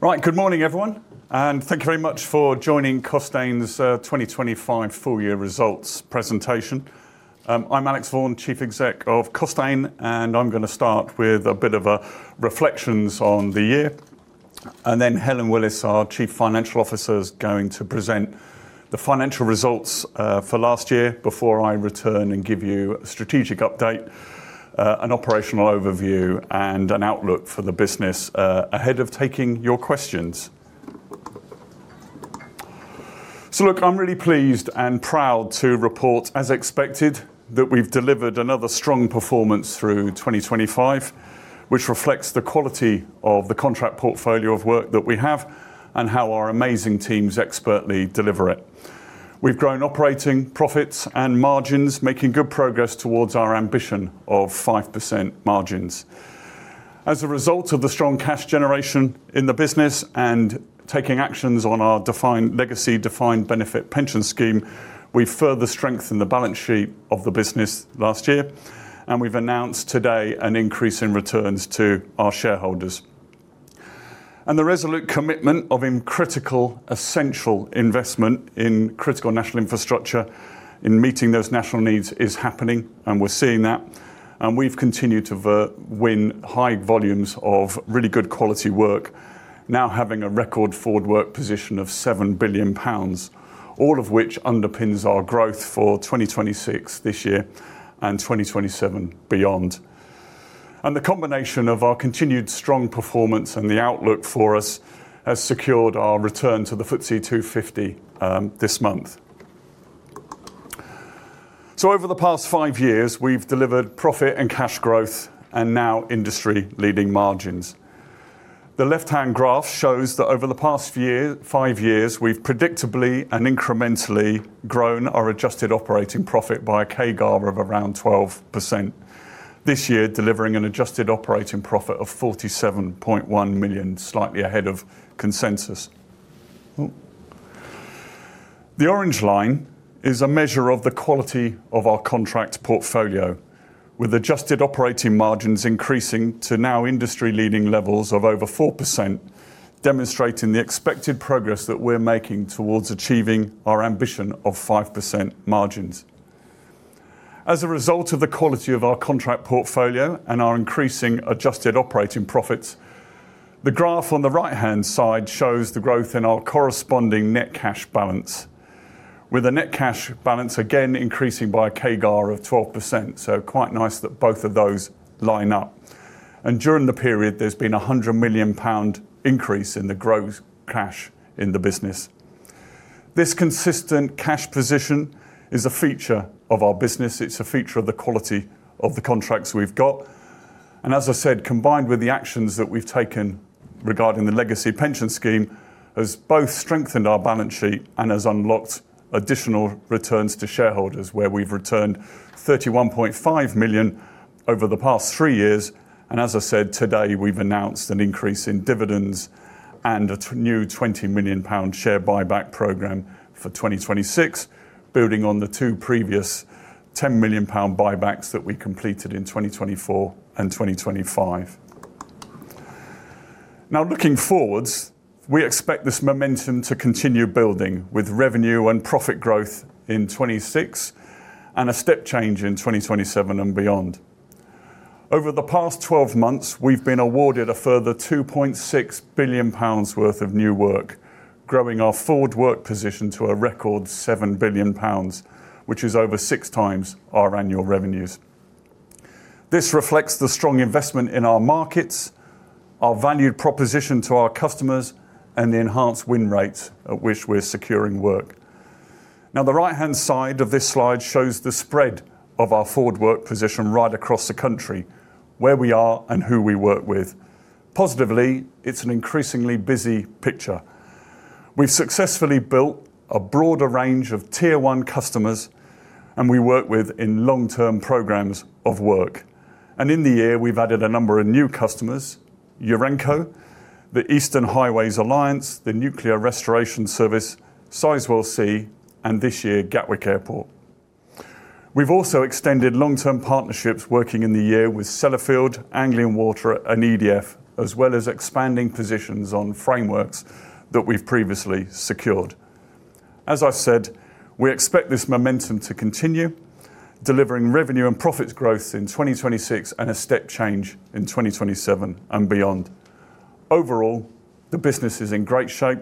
Right. Good morning, everyone, and thank you very much for joining Costain's 2025 full year results presentation. I'm Alex Vaughan, Chief Exec of Costain, and I'm gonna start with a bit of a reflections on the year. Helen Willis, our Chief Financial Officer, is going to present the financial results for last year before I return and give you a strategic update, an operational overview, and an outlook for the business ahead of taking your questions. Look, I'm really pleased and proud to report, as expected, that we've delivered another strong performance through 2025, which reflects the quality of the contract portfolio of work that we have and how our amazing teams expertly deliver it. We've grown operating profits and margins, making good progress towards our ambition of 5% margins. As a result of the strong cash generation in the business and taking actions on our legacy defined benefit pension scheme, we further strengthened the balance sheet of the business last year, and we've announced today an increase in returns to our shareholders. The resolute commitment to investing in critical national infrastructure in meeting those national needs is happening, and we're seeing that. We've continued to win high volumes of really good quality work, now having a record forward work position of 7 billion pounds, all of which underpins our growth for 2026 this year and 2027 beyond. The combination of our continued strong performance and the outlook for us has secured our return to the FTSE 250 this month. Over the past five years, we've delivered profit and cash growth and now industry-leading margins. The left-hand graph shows that over the past five years, we've predictably and incrementally grown our adjusted operating profit by a CAGR of around 12%, this year delivering an adjusted operating profit of 47.1 million, slightly ahead of consensus. Oh. The orange line is a measure of the quality of our contract portfolio, with adjusted operating margins increasing to now industry-leading levels of over 4%, demonstrating the expected progress that we're making towards achieving our ambition of 5% margins. As a result of the quality of our contract portfolio and our increasing adjusted operating profits, the graph on the right-hand side shows the growth in our corresponding net cash balance, with the net cash balance again increasing by a CAGR of 12%. Quite nice that both of those line up. During the period, there's been a 100 million pound increase in the gross cash in the business. This consistent cash position is a feature of our business. It's a feature of the quality of the contracts we've got. As I said, combined with the actions that we've taken regarding the legacy pension scheme, has both strengthened our balance sheet and has unlocked additional returns to shareholders where we've returned 31.5 million over the past three years. As I said, today, we've announced an increase in dividends and a new 20 million pound share buyback program for 2026, building on the two previous 10 million pound buybacks that we completed in 2024 and 2025. Now looking forwards, we expect this momentum to continue building with revenue and profit growth in 2026 and a step change in 2027 and beyond. Over the past 12 months, we've been awarded a further 2.6 billion pounds worth of new work, growing our forward work position to a record 7 billion pounds, which is over 6x our annual revenues. This reflects the strong investment in our markets, our value proposition to our customers, and the enhanced win rates at which we're securing work. Now, the right-hand side of this slide shows the spread of our forward work position right across the country, where we are and who we work with. Positively, it's an increasingly busy picture. We've successfully built a broader range of tier one customers, and we work within long-term programs of work. In the year, we've added a number of new customers, Urenco, the Eastern Highways Alliance, the Nuclear Restoration Services, Sizewell C, and this year, Gatwick Airport. We've also extended long-term partnerships working in the year with Sellafield, Anglian Water, and EDF, as well as expanding positions on frameworks that we've previously secured. As I've said, we expect this momentum to continue, delivering revenue and profit growth in 2026 and a step change in 2027 and beyond. Overall, the business is in great shape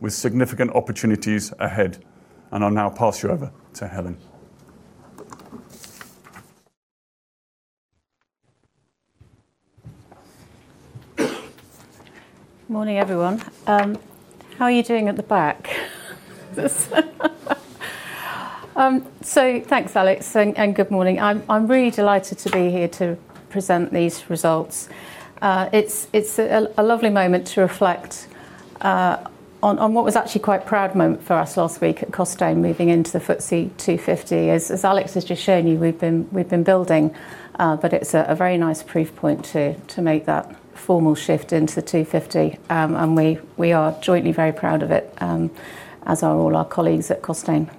with significant opportunities ahead. I'll now pass you over to Helen. Morning, everyone. How are you doing at the back? Thanks, Alex, and good morning. I'm really delighted to be here to present these results. It's a lovely moment to reflect on what was actually quite proud moment for us last week at Costain moving into the FTSE 250. As Alex has just shown you, we've been building, but it's a very nice proof point to make that formal shift into the 250. We are jointly very proud of it, as are all our colleagues at Costain.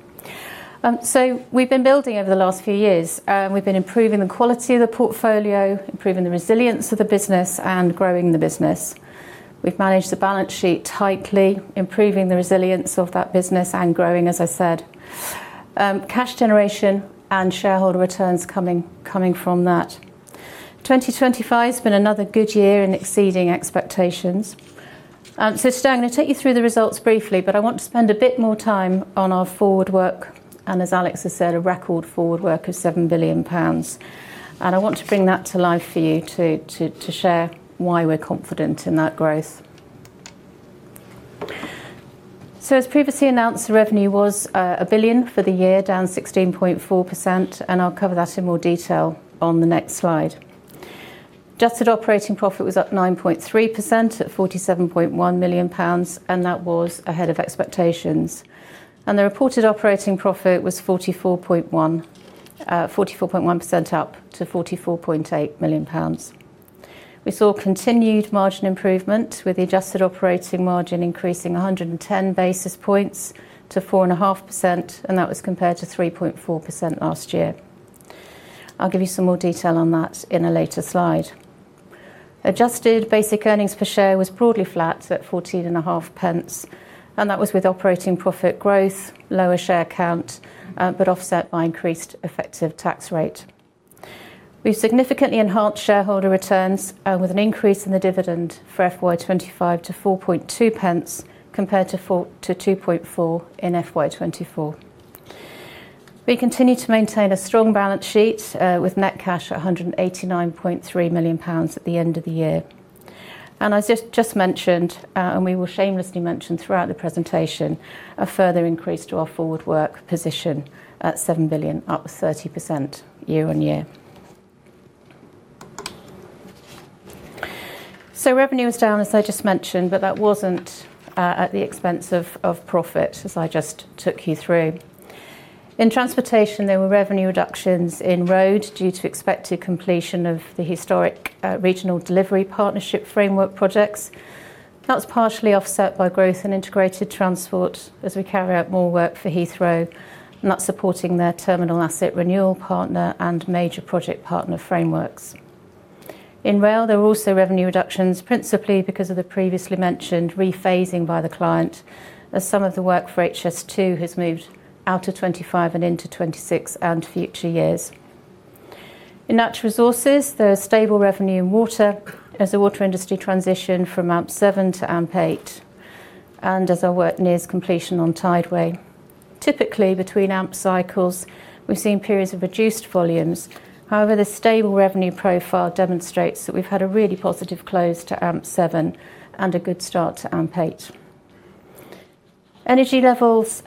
We've been building over the last few years. We've been improving the quality of the portfolio, improving the resilience of the business and growing the business. We've managed the balance sheet tightly, improving the resilience of that business and growing, as I said. Cash generation and shareholder returns coming from that. 2025's been another good year in exceeding expectations. Today I'm gonna take you through the results briefly, but I want to spend a bit more time on our forward work, and as Alex has said, a record forward work of 7 billion pounds. I want to bring that to life for you to share why we're confident in that growth. As previously announced, the revenue was 1 billion for the year, down 16.4%, and I'll cover that in more detail on the next slide. Adjusted operating profit was up 9.3% at 47.1 million pounds, and that was ahead of expectations. The reported operating profit was 44.1%. 44.1% up to 44.8 million pounds. We saw continued margin improvement with the adjusted operating margin increasing 110 basis points to 4.5%, and that was compared to 3.4% last year. I'll give you some more detail on that in a later slide. Adjusted basic earnings per share was broadly flat at 0.145, and that was with operating profit growth, lower share count, but offset by increased effective tax rate. We've significantly enhanced shareholder returns, with an increase in the dividend for FY 2025 to 0.042 compared to 0.024 in FY 2024. We continue to maintain a strong balance sheet with net cash at 189.3 million pounds at the end of the year. As I just mentioned, and we will shamelessly mention throughout the presentation, a further increase to our forward work position at 7 billion, up 30% year-on-year. Revenue was down, as I just mentioned, but that wasn't at the expense of profit, as I just took you through. In transportation, there were revenue reductions in road due to expected completion of the historic regional delivery partnership framework projects. That was partially offset by growth in integrated transport as we carry out more work for Heathrow, and that's supporting their terminal asset renewal partner and major project partner frameworks. In rail, there were also revenue reductions, principally because of the previously mentioned rephasing by the client as some of the work for HS2 has moved out of 2025 and into 2026 and future years. In natural resources, there was stable revenue in water as the water industry transitioned from AMP7 to AMP8 and as our work nears completion on Tideway. Typically, between AMP cycles, we've seen periods of reduced volumes. However, the stable revenue profile demonstrates that we've had a really positive close to AMP7 and a good start to AMP8.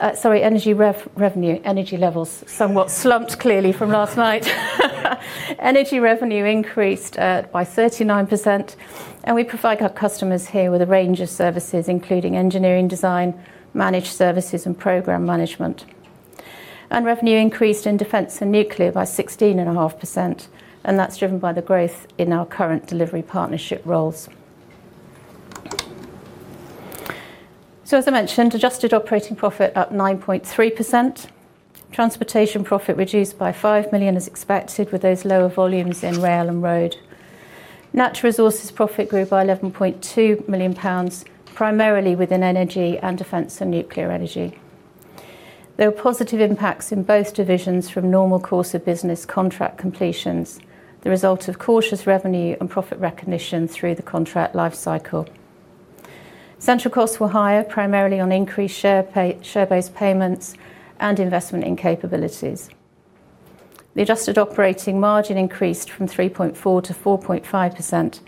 Energy revenue increased by 39%, and we provide our customers here with a range of services, including engineering design, managed services and program management. Revenue increased in defense and nuclear by 16.5%, and that's driven by the growth in our current delivery partnership roles. As I mentioned, adjusted operating profit up 9.3%. Transportation profit reduced by 5 million as expected with those lower volumes in rail and road. Natural resources profit grew by 11.2 million pounds, primarily within energy and defense and nuclear energy. There were positive impacts in both divisions from normal course of business contract completions, the result of cautious revenue and profit recognition through the contract life cycle. Central costs were higher, primarily on increased share-based payments and investment in capabilities. The adjusted operating margin increased from 3.4% to 4.5%,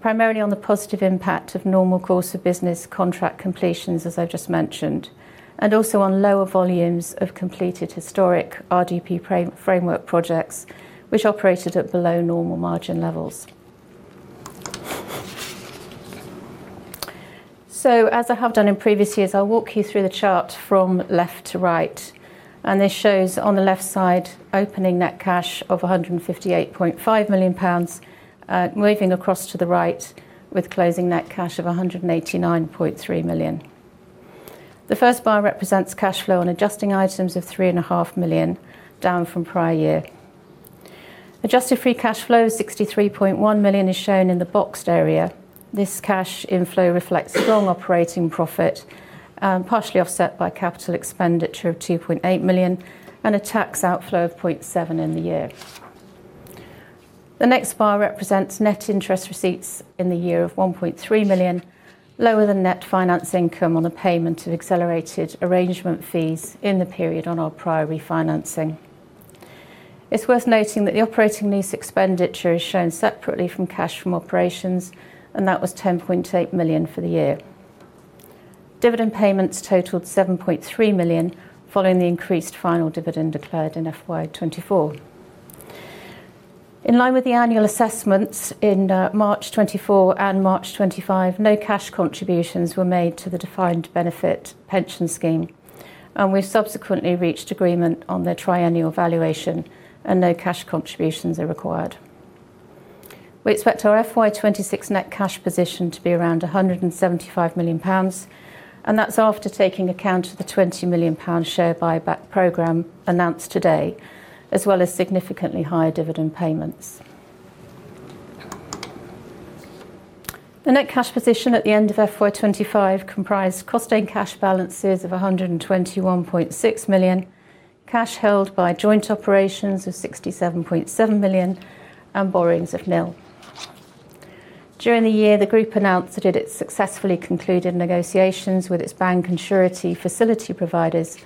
primarily on the positive impact of normal course of business contract completions, as I just mentioned, and also on lower volumes of completed historic RDP framework projects which operated at below normal margin levels. As I have done in previous years, I'll walk you through the chart from left to right, and this shows on the left side, opening net cash of 158.5 million pounds, moving across to the right with closing net cash of 189.3 million. The first bar represents cash flow on adjusting items of 3.5 million, down from prior year. Adjusted free cash flow is 63.1 million is shown in the boxed area. This cash inflow reflects strong operating profit, partially offset by capital expenditure of 2.8 million and a tax outflow of 0.7 million in the year. The next bar represents net interest receipts in the year of 1.3 million, lower than net finance income on the payment of accelerated arrangement fees in the period on our prior refinancing. It's worth noting that the operating lease expenditure is shown separately from cash from operations, and that was 10.8 million for the year. Dividend payments totaled 7.3 million following the increased final dividend declared in FY 2024. In line with the annual assessments in March 2024 and March 2025, no cash contributions were made to the defined benefit pension scheme, and we've subsequently reached agreement on their triennial valuation and no cash contributions are required. We expect our FY 2026 net cash position to be around 175 million pounds, and that's after taking account of the 20 million pound share buyback program announced today, as well as significantly higher dividend payments. The net cash position at the end of FY 2025 comprised Costain cash balances of 121.6 million, cash held by joint operations of 67.7 million, and borrowings of nil. During the year, the group announced that it had successfully concluded negotiations with its bank and surety facility providers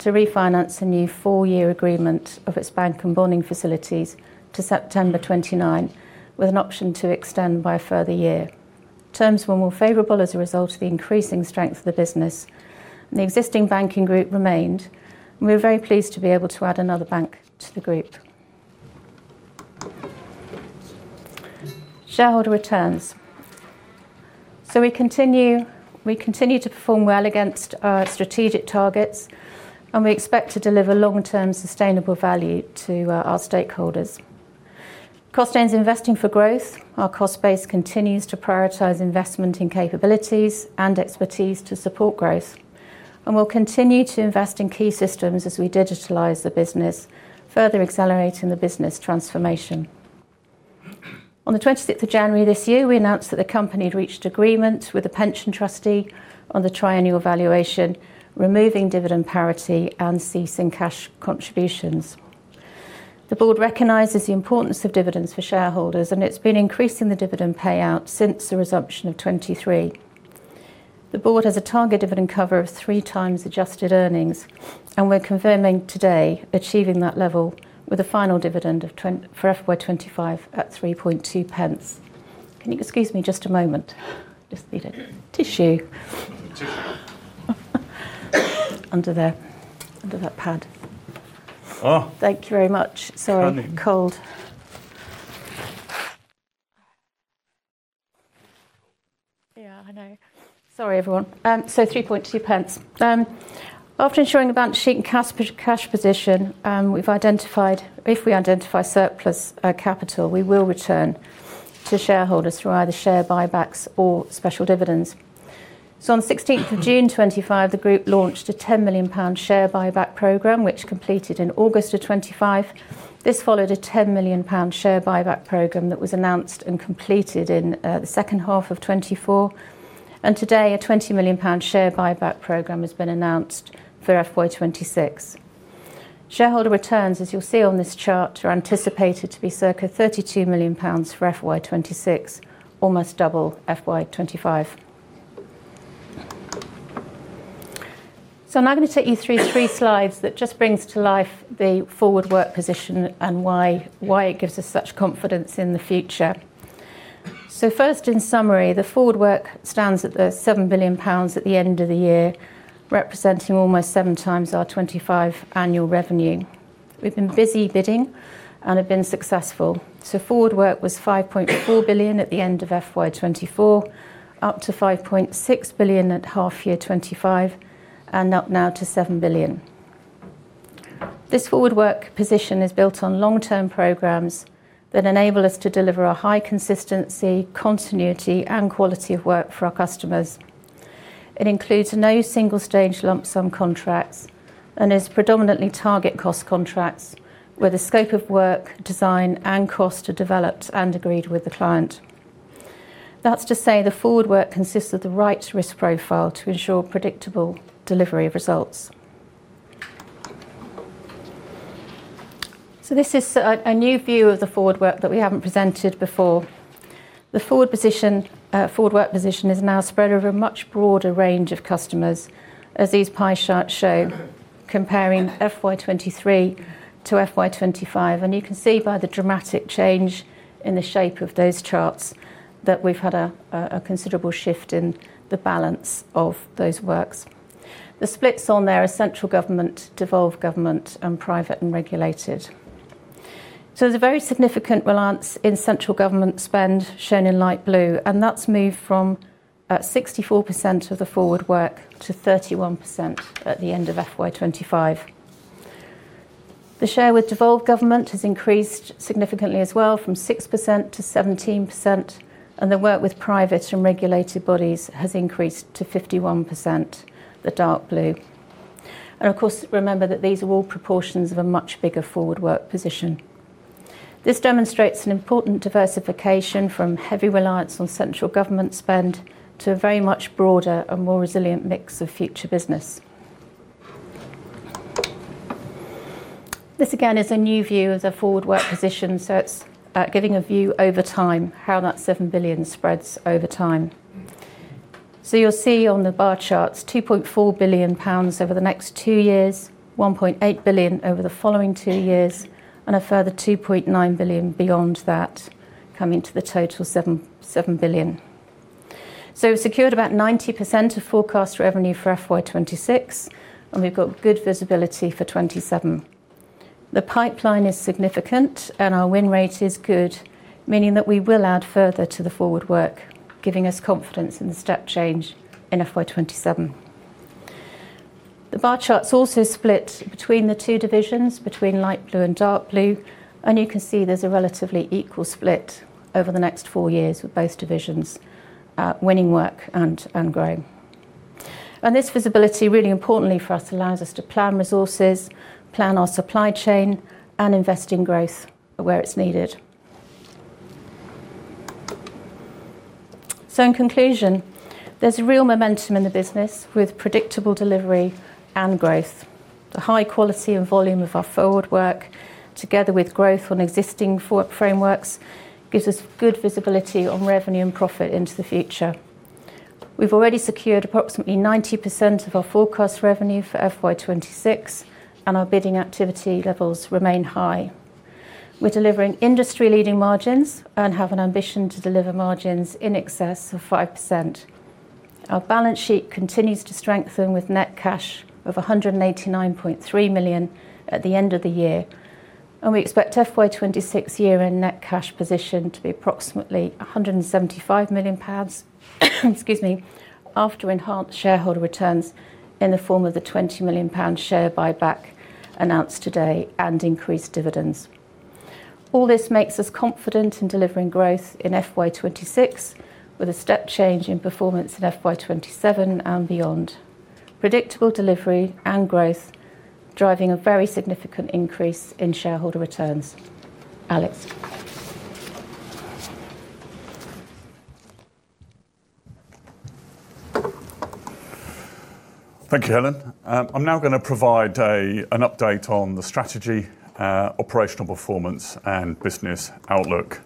to refinance a new four-year agreement of its bank and bonding facilities to September 29, with an option to extend by a further year. Terms were more favorable as a result of the increasing strength of the business, and the existing banking group remained, and we were very pleased to be able to add another bank to the group. Shareholder returns. We continue to perform well against our strategic targets, and we expect to deliver long-term sustainable value to our stakeholders. Costain is investing for growth. Our cost base continues to prioritize investment in capabilities and expertise to support growth. We'll continue to invest in key systems as we digitalize the business, further accelerating the business transformation. On the 26th of January this year, we announced that the company had reached agreement with the pension trustee on the triennial valuation, removing dividend parity and ceasing cash contributions. The board recognizes the importance of dividends for shareholders, and it's been increasing the dividend payout since the resumption of 2023. The board has a target dividend cover of three times adjusted earnings, and we're confirming today achieving that level with a final dividend for FY 2025 at 0.032. Can you excuse me just a moment? Just need a tissue. Tissue. Under there. Under that pad. Oh. Thank you very much. Sorry, I'm cold. Honey. Yeah, I know. Sorry, everyone. 0.032. After ensuring the balance sheet and cash position, we've identified. If we identify surplus capital, we will return to shareholders through either share buybacks or special dividends. On the 16th of June 2025, the group launched a 10 million pound share buyback program, which completed in August 2025. This followed a 10 million pound share buyback program that was announced and completed in the second half of 2024. Today, a 20 million pound share buyback program has been announced for FY 2026. Shareholder returns, as you'll see on this chart, are anticipated to be circa 32 million pounds for FY 2026, almost double FY 2025. Now I'm gonna take you through three slides that just brings to life the forward work position and why it gives us such confidence in the future. First, in summary, the forward work stands at 7 billion pounds at the end of the year, representing almost 7x our 2025 annual revenue. We've been busy bidding and have been successful. Forward work was 5.4 billion at the end of FY 2024, up to 5.6 billion at half year 2025, and up now to 7 billion. This forward work position is built on long-term programs that enable us to deliver a high consistency, continuity, and quality of work for our customers. It includes no single stage lump sum contracts and is predominantly target cost contracts where the scope of work, design, and cost are developed and agreed with the client. That's to say the forward work consists of the right risk profile to ensure predictable delivery of results. This is a new view of the forward work that we haven't presented before. The forward position, forward work position is now spread over a much broader range of customers, as these pie charts show, comparing FY 2023 to FY 2025. You can see by the dramatic change in the shape of those charts that we've had a considerable shift in the balance of those works. The splits on there are central government, devolved government, and private and regulated. There's a very significant reliance in central government spend, shown in light blue, and that's moved from 64% of the forward work to 31% at the end of FY 2025. The share with devolved government has increased significantly as well from 6% to 17%, and the work with private and regulated bodies has increased to 51%, the dark blue. Of course, remember that these are all proportions of a much bigger forward work position. This demonstrates an important diversification from heavy reliance on central government spend to a very much broader and more resilient mix of future business. This again is a new view of the forward work position, so it's giving a view over time, how that 7 billion spreads over time. You'll see on the bar charts, 2.4 billion pounds over the next two years, 1.8 billion over the following two years, and a further 2.9 billion beyond that coming to the total 7 billion. We've secured about 90% of forecast revenue for FY 2026, and we've got good visibility for 2027. The pipeline is significant, and our win rate is good, meaning that we will add further to the forward work, giving us confidence in the step change in FY 2027. The bar chart's also split between the two divisions, between light blue and dark blue, and you can see there's a relatively equal split over the next four years with both divisions, winning work and growing. This visibility, really importantly for us, allows us to plan resources, plan our supply chain, and invest in growth where it's needed. In conclusion, there's a real momentum in the business with predictable delivery and growth. The high quality and volume of our forward work, together with growth on existing frameworks, gives us good visibility on revenue and profit into the future. We've already secured approximately 90% of our forecast revenue for FY 2026, and our bidding activity levels remain high. We're delivering industry-leading margins and have an ambition to deliver margins in excess of 5%. Our balance sheet continues to strengthen with net cash of 189.3 million at the end of the year, and we expect FY 2026 year-end net cash position to be approximately 175 million pounds, excuse me, after enhanced shareholder returns in the form of the 20 million pound share buyback announced today and increased dividends. All this makes us confident in delivering growth in FY 2026, with a step change in performance in FY 2027 and beyond. Predictable delivery and growth, driving a very significant increase in shareholder returns. Alex. Thank you, Helen. I'm now gonna provide an update on the strategy, operational performance, and business outlook.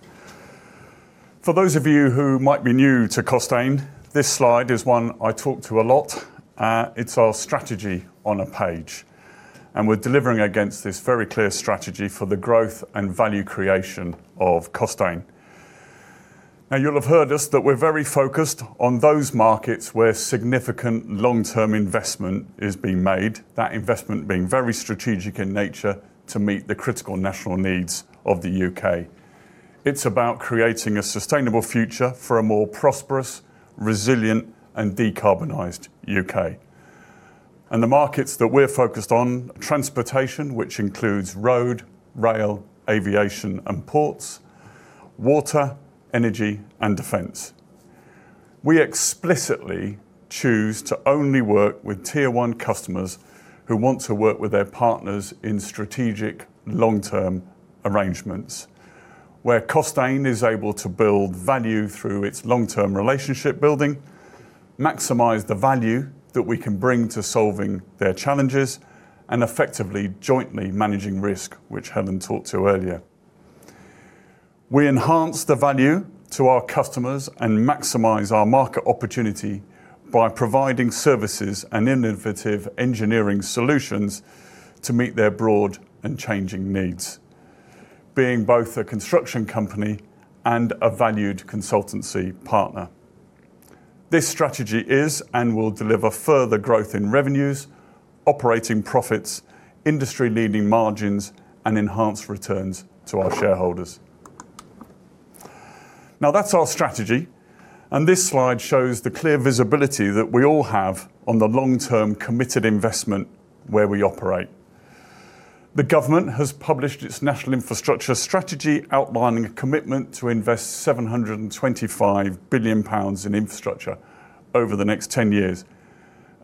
For those of you who might be new to Costain, this slide is one I talk to a lot. It's our strategy on a page, and we're delivering against this very clear strategy for the growth and value creation of Costain. Now, you'll have heard us that we're very focused on those markets where significant long-term investment is being made, that investment being very strategic in nature to meet the critical national needs of the U.K. It's about creating a sustainable future for a more prosperous, resilient, and decarbonized U.K. The markets that we're focused on, transportation, which includes road, rail, aviation, and ports, water, energy, and defense. We explicitly choose to only work with tier one customers who want to work with their partners in strategic long-term arrangements, where Costain is able to build value through its long-term relationship building, maximize the value that we can bring to solving their challenges, and effectively jointly managing risk, which Helen talked to earlier. We enhance the value to our customers and maximize our market opportunity by providing services and innovative engineering solutions to meet their broad and changing needs, being both a construction company and a valued consultancy partner. This strategy is and will deliver further growth in revenues, operating profits, industry-leading margins, and enhanced returns to our shareholders. Now, that's our strategy, and this slide shows the clear visibility that we all have on the long-term committed investment where we operate. The government has published its national infrastructure strategy outlining a commitment to invest 725 billion pounds in infrastructure over the next 10 years.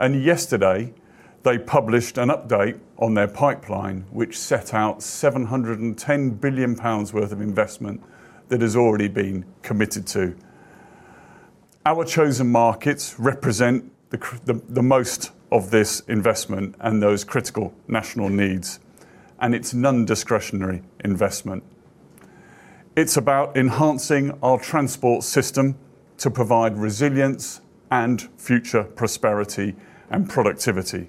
Yesterday, they published an update on their pipeline, which set out 710 billion pounds worth of investment that has already been committed to. Our chosen markets represent the most of this investment and those critical national needs, and it's non-discretionary investment. It's about enhancing our transport system to provide resilience and future prosperity and productivity.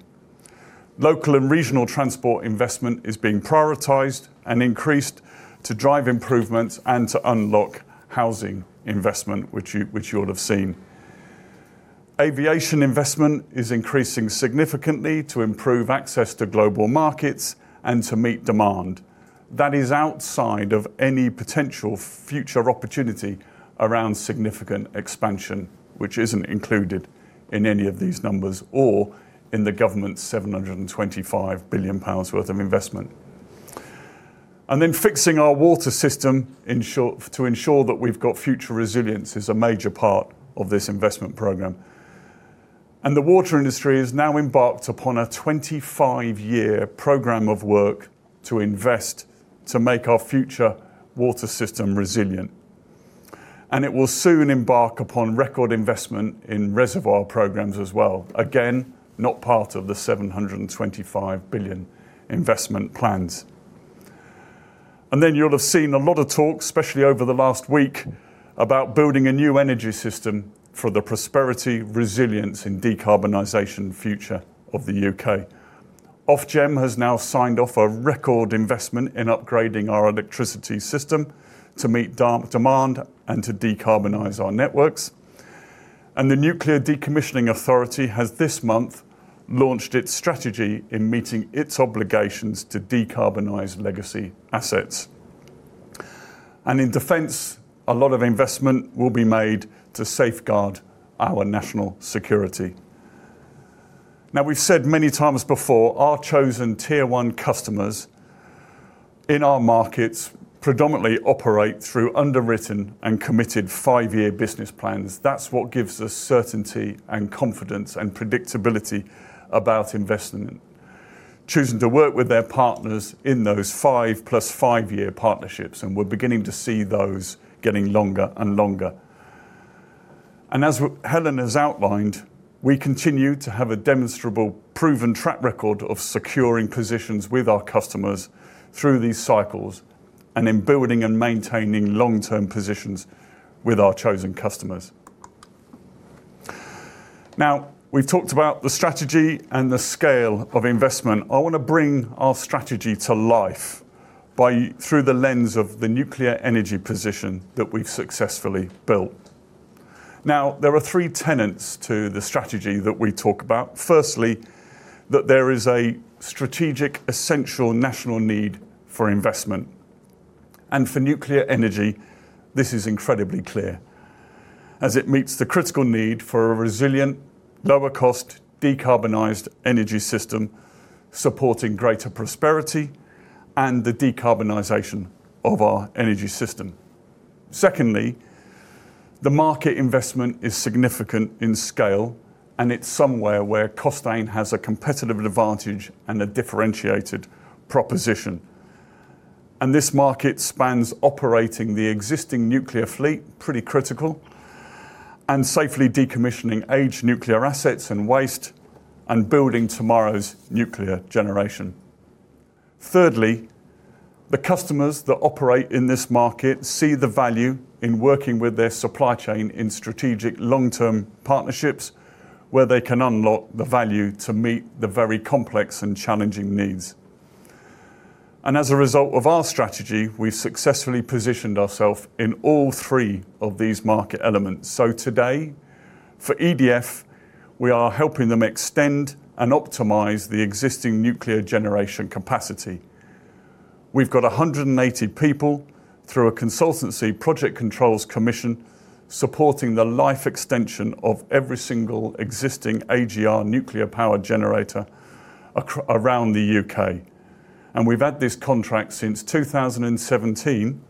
Local and regional transport investment is being prioritized and increased to drive improvements and to unlock housing investment, which you'll have seen. Aviation investment is increasing significantly to improve access to global markets and to meet demand. That is outside of any potential future opportunity around significant expansion, which isn't included in any of these numbers or in the government's 725 billion pounds worth of investment. Fixing our water system, to ensure that we've got future resilience is a major part of this investment program. The water industry has now embarked upon a 25-year program of work to invest to make our future water system resilient. It will soon embark upon record investment in reservoir programs as well. Again, not part of the 725 billion investment plans. You'll have seen a lot of talk, especially over the last week, about building a new energy system for the prosperity, resilience, and decarbonization future of the U.K. Ofgem has now signed off a record investment in upgrading our electricity system to meet demand and to decarbonize our networks. The Nuclear Decommissioning Authority has this month launched its strategy in meeting its obligations to decarbonize legacy assets. In defense, a lot of investment will be made to safeguard our national security. Now, we've said many times before, our chosen tier-one customers in our markets predominantly operate through underwritten and committed five-year business plans. That's what gives us certainty and confidence and predictability about investment. Choosing to work with their partners in those five plus five-year partnerships, and we're beginning to see those getting longer and longer. As Helen has outlined, we continue to have a demonstrable, proven track record of securing positions with our customers through these cycles and in building and maintaining long-term positions with our chosen customers. Now, we've talked about the strategy and the scale of investment. I want to bring our strategy to life through the lens of the nuclear energy position that we've successfully built. Now, there are three tenets to the strategy that we talk about. Firstly, that there is a strategic, essential national need for investment. For nuclear energy, this is incredibly clear as it meets the critical need for a resilient, lower cost, decarbonized energy system supporting greater prosperity and the decarbonization of our energy system. Secondly, the market investment is significant in scale, and it's somewhere where Costain has a competitive advantage and a differentiated proposition. This market spans operating the existing nuclear fleet, pretty critical, and safely decommissioning aged nuclear assets and waste and building tomorrow's nuclear generation. Thirdly, the customers that operate in this market see the value in working with their supply chain in strategic long-term partnerships where they can unlock the value to meet the very complex and challenging needs. As a result of our strategy, we successfully positioned ourselves in all three of these market elements. Today, for EDF, we are helping them extend and optimize the existing nuclear generation capacity. We've got 180 people through a consultancy, project controls, commissioning supporting the life extension of every single existing AGR nuclear power generator around the U.K. We've had this contract since 2017,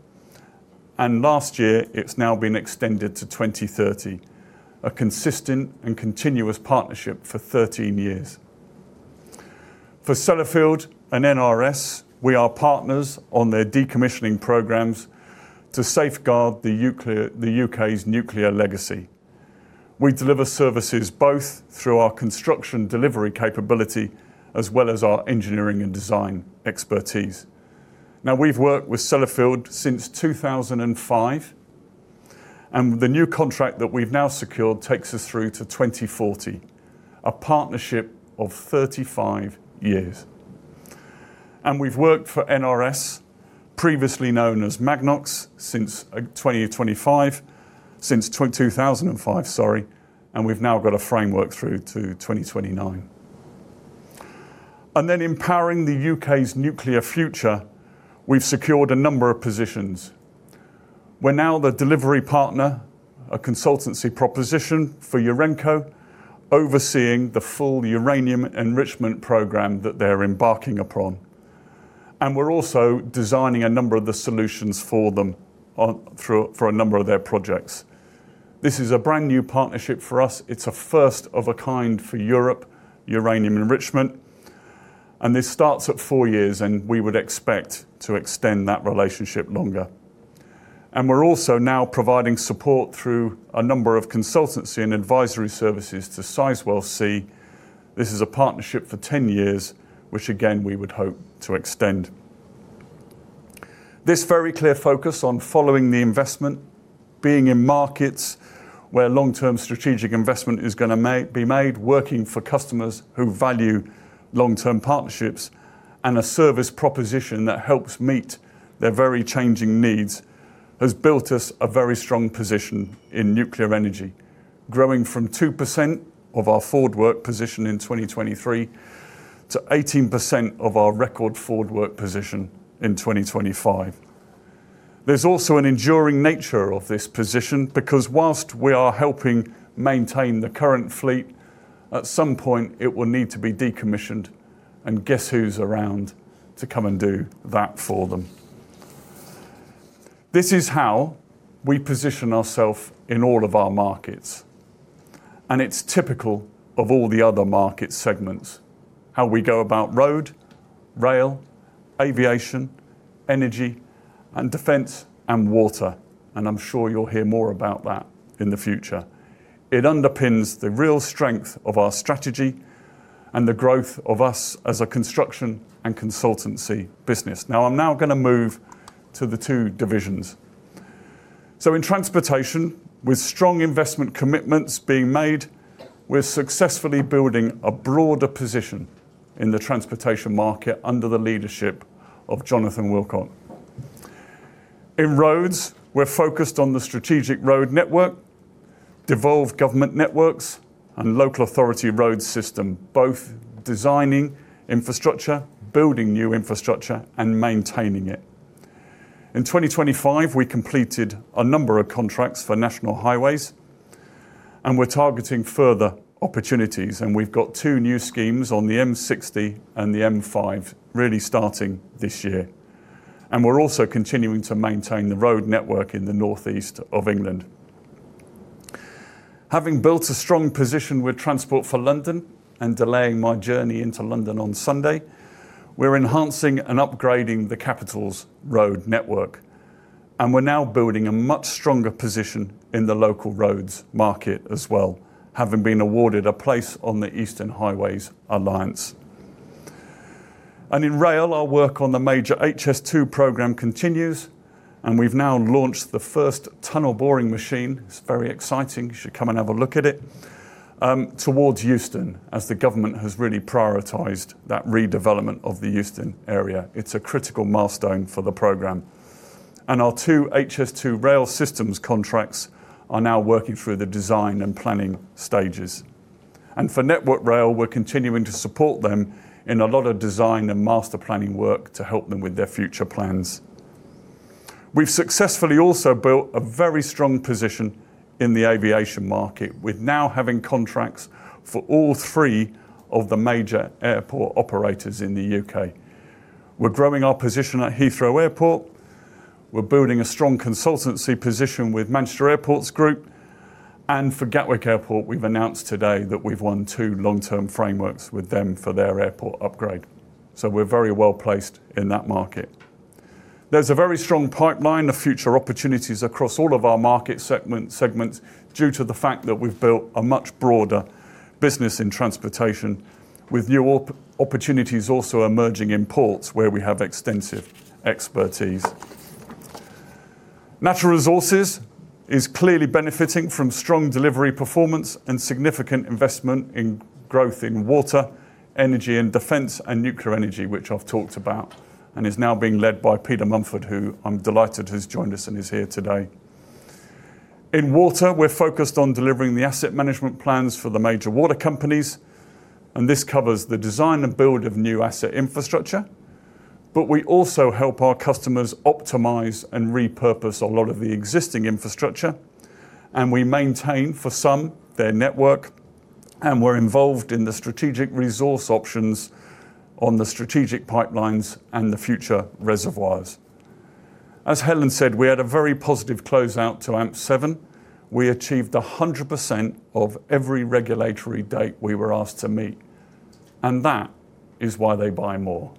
and last year, it's now been extended to 2030. A consistent and continuous partnership for 13 years. For Sellafield and NRS, we are partners on their decommissioning programs to safeguard the nuclear, the U.K.'s nuclear legacy. We deliver services both through our construction delivery capability as well as our engineering and design expertise. Now, we've worked with Sellafield since 2005, and the new contract that we've now secured takes us through to 2040. A partnership of 35 years. We've worked for NRS, previously known as Magnox, since 2005, sorry, and we've now got a framework through to 2029. Empowering the U.K.'s nuclear future, we've secured a number of positions. We're now the delivery partner, a consultancy proposition for Urenco, overseeing the full uranium enrichment program that they're embarking upon. We're also designing a number of the solutions for them for a number of their projects. This is a brand-new partnership for us. It's a first of a kind for Europe uranium enrichment, and this starts at four years, and we would expect to extend that relationship longer. We're also now providing support through a number of consultancy and advisory services to Sizewell C. This is a partnership for 10 years, which again, we would hope to extend. This very clear focus on following the investment, being in markets where long-term strategic investment is gonna be made working for customers who value long-term partnerships and a service proposition that helps meet their very changing needs, has built us a very strong position in nuclear energy. Growing from 2% of our forward work position in 2023 to 18% of our record forward work position in 2025. There's also an enduring nature of this position because while we are helping maintain the current fleet, at some point, it will need to be decommissioned. Guess who's around to come and do that for them? This is how we position ourselves in all of our markets, and it's typical of all the other market segments. How we go about road, rail, aviation, energy, and defense, and water. I'm sure you'll hear more about that in the future. It underpins the real strength of our strategy and the growth of us as a construction and consultancy business. Now, I'm now gonna move to the two divisions. In transportation, with strong investment commitments being made, we're successfully building a broader position in the transportation market under the leadership of Jonathan Willcock. In roads, we're focused on the strategic road network, devolved government networks and local authority road system, both designing infrastructure, building new infrastructure, and maintaining it. In 2025, we completed a number of contracts for National Highways, and we're targeting further opportunities, and we've got two new schemes on the M60 and the M5 really starting this year. We're also continuing to maintain the road network in the northeast of England. Having built a strong position with Transport for London and delaying my journey into London on Sunday, we're enhancing and upgrading the capital's road network, and we're now building a much stronger position in the local roads market as well, having been awarded a place on the Eastern Highways Alliance. In rail, our work on the major HS2 program continues, and we've now launched the first tunnel boring machine. It's very exciting. You should come and have a look at it, towards Euston, as the government has really prioritized that redevelopment of the Euston area. It's a critical milestone for the program. Our two HS2 rail systems contracts are now working through the design and planning stages. For Network Rail, we're continuing to support them in a lot of design and master planning work to help them with their future plans. We've successfully also built a very strong position in the aviation market. We're now having contracts for all three of the major airport operators in the U.K. We're growing our position at Heathrow Airport. We're building a strong consultancy position with Manchester Airports Group. For Gatwick Airport, we've announced today that we've won two long-term frameworks with them for their airport upgrade. We're very well-placed in that market. There's a very strong pipeline of future opportunities across all of our market segments due to the fact that we've built a much broader business in transportation with new opportunities also emerging in ports where we have extensive expertise. Natural resources is clearly benefiting from strong delivery performance and significant investment in growth in water, energy and defense and nuclear energy, which I've talked about and is now being led by Peter Mumford, who I'm delighted has joined us and is here today. In water, we're focused on delivering the asset management plans for the major water companies, and this covers the design and build of new asset infrastructure. We also help our customers optimize and repurpose a lot of the existing infrastructure, and we maintain for some their network, and we're involved in the strategic resource options on the strategic pipelines and the future reservoirs. As Helen said, we had a very positive close out to AMP7. We achieved 100% of every regulatory date we were asked to meet, and that is why they buy more.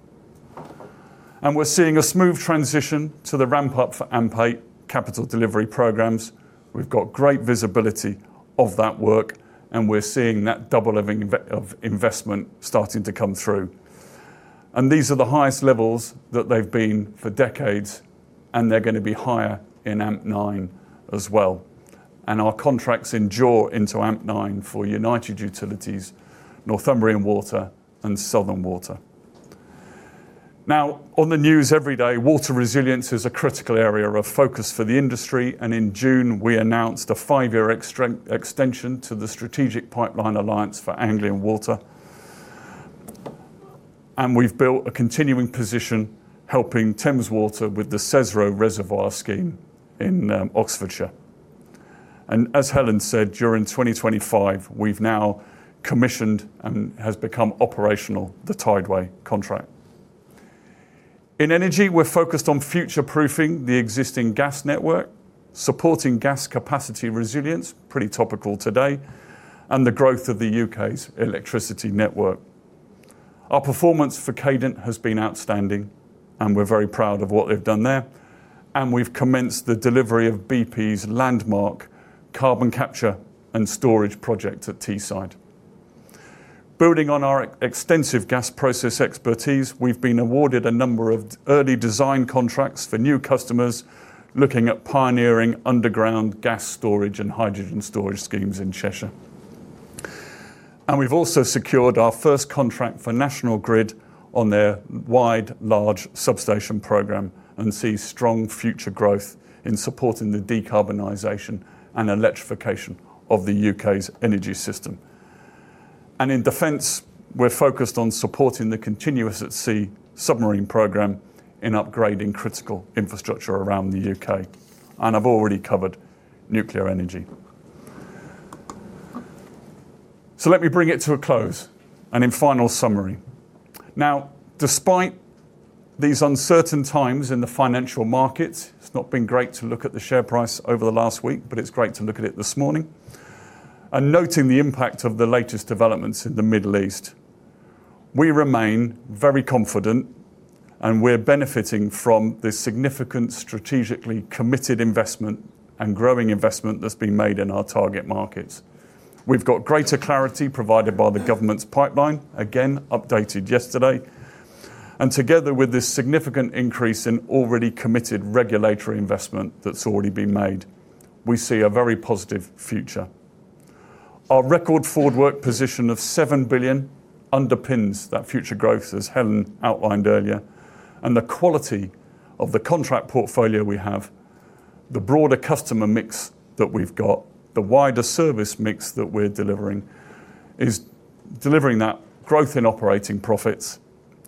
We're seeing a smooth transition to the ramp up for AMP8 capital delivery programs. We've got great visibility of that work, and we're seeing that double of investment starting to come through. These are the highest levels that they've been for decades, and they're gonna be higher in AMP9 as well. Our contracts endure into AMP9 for United Utilities, Northumbrian Water and Southern Water. Now, on the news every day, water resilience is a critical area of focus for the industry, and in June, we announced a five-year extension to the Strategic Pipeline Alliance for Anglian Water. We've built a continuing position helping Thames Water with the SESRO Reservoir scheme in Oxfordshire. As Helen said, during 2025, we've now commissioned and has become operational the Tideway contract. In energy, we're focused on future-proofing the existing gas network, supporting gas capacity resilience, pretty topical today, and the growth of the U.K.'s electricity network. Our performance for Cadent has been outstanding, and we're very proud of what they've done there. We've commenced the delivery of bp's landmark carbon capture and storage project at Teesside. Building on our extensive gas process expertise, we've been awarded a number of early design contracts for new customers looking at pioneering underground gas storage and hydrogen storage schemes in Cheshire. We've also secured our first contract for National Grid on their worldwide large substation program and see strong future growth in supporting the decarbonization and electrification of the U.K.'s energy system. In defense, we're focused on supporting the Continuous At Sea submarine program in upgrading critical infrastructure around the U.K. I've already covered nuclear energy. Let me bring it to a close and in final summary. Now, despite these uncertain times in the financial market, it's not been great to look at the share price over the last week, but it's great to look at it this morning. Noting the impact of the latest developments in the Middle East, we remain very confident, and we're benefiting from the significant strategically committed investment and growing investment that's been made in our target markets. We've got greater clarity provided by the government's pipeline, again, updated yesterday. Together with this significant increase in already committed regulatory investment that's already been made, we see a very positive future. Our record forward work position of 7 billion underpins that future growth, as Helen outlined earlier. The quality of the contract portfolio we have, the broader customer mix that we've got, the wider service mix that we're delivering is delivering that growth in operating profits,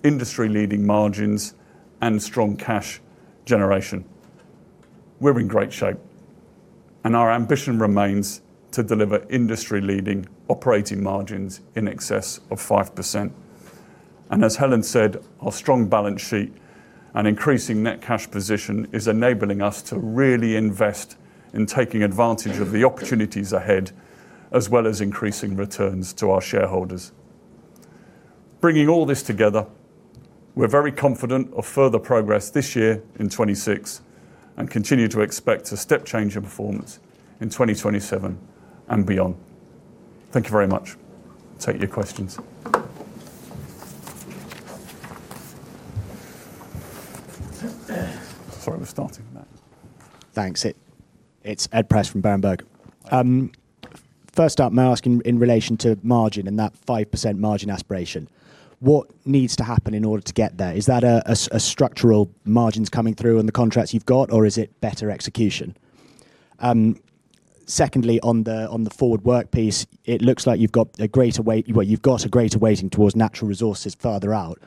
industry-leading margins and strong cash generation. We're in great shape, and our ambition remains to deliver industry-leading operating margins in excess of 5%. As Helen said, our strong balance sheet and increasing net cash position is enabling us to really invest in taking advantage of the opportunities ahead, as well as increasing returns to our shareholders. Bringing all this together, we're very confident of further progress this year in 2026, and continue to expect a step change in performance in 2027 and beyond. Thank you very much. Take your questions. Sorry, we're starting now. Thanks. It's Ed Prest from Berenberg. First up, may I ask in relation to margin and that 5% margin aspiration, what needs to happen in order to get there? Is that a structural margins coming through in the contracts you've got, or is it better execution? Secondly, on the forward work piece, it looks like you've got a greater weighting towards natural resources further out.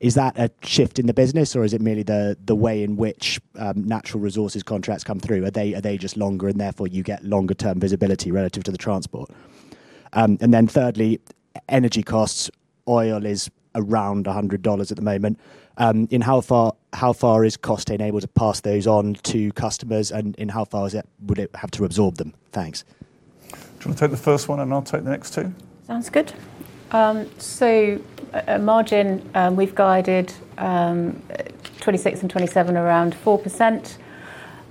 Is that a shift in the business, or is it merely the way in which natural resources contracts come through? Are they just longer and therefore you get longer term visibility relative to the transport? And then thirdly, energy costs. Oil is around $100 at the moment. How far is Costain able to pass those on to customers, and in how far would it have to absorb them? Thanks. Do you wanna take the first one, and I'll take the next two? Sounds good. At margin, we've guided 2026 and 2027 around 4%.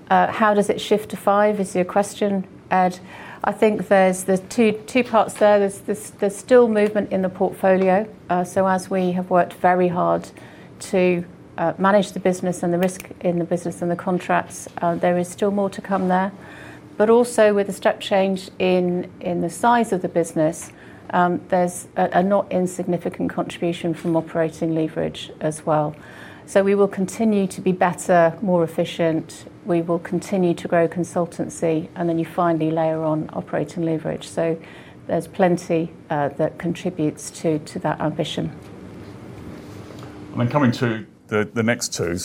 How does it shift to 5% is your question, Ed. I think there's two parts there. There's still movement in the portfolio, so as we have worked very hard to manage the business and the risk in the business and the contracts, there is still more to come there. Also with the step change in the size of the business, there's a not insignificant contribution from operating leverage as well. We will continue to be better, more efficient. We will continue to grow consultancy, and then you finally layer on operating leverage. There's plenty that contributes to that ambition. Coming to the next two.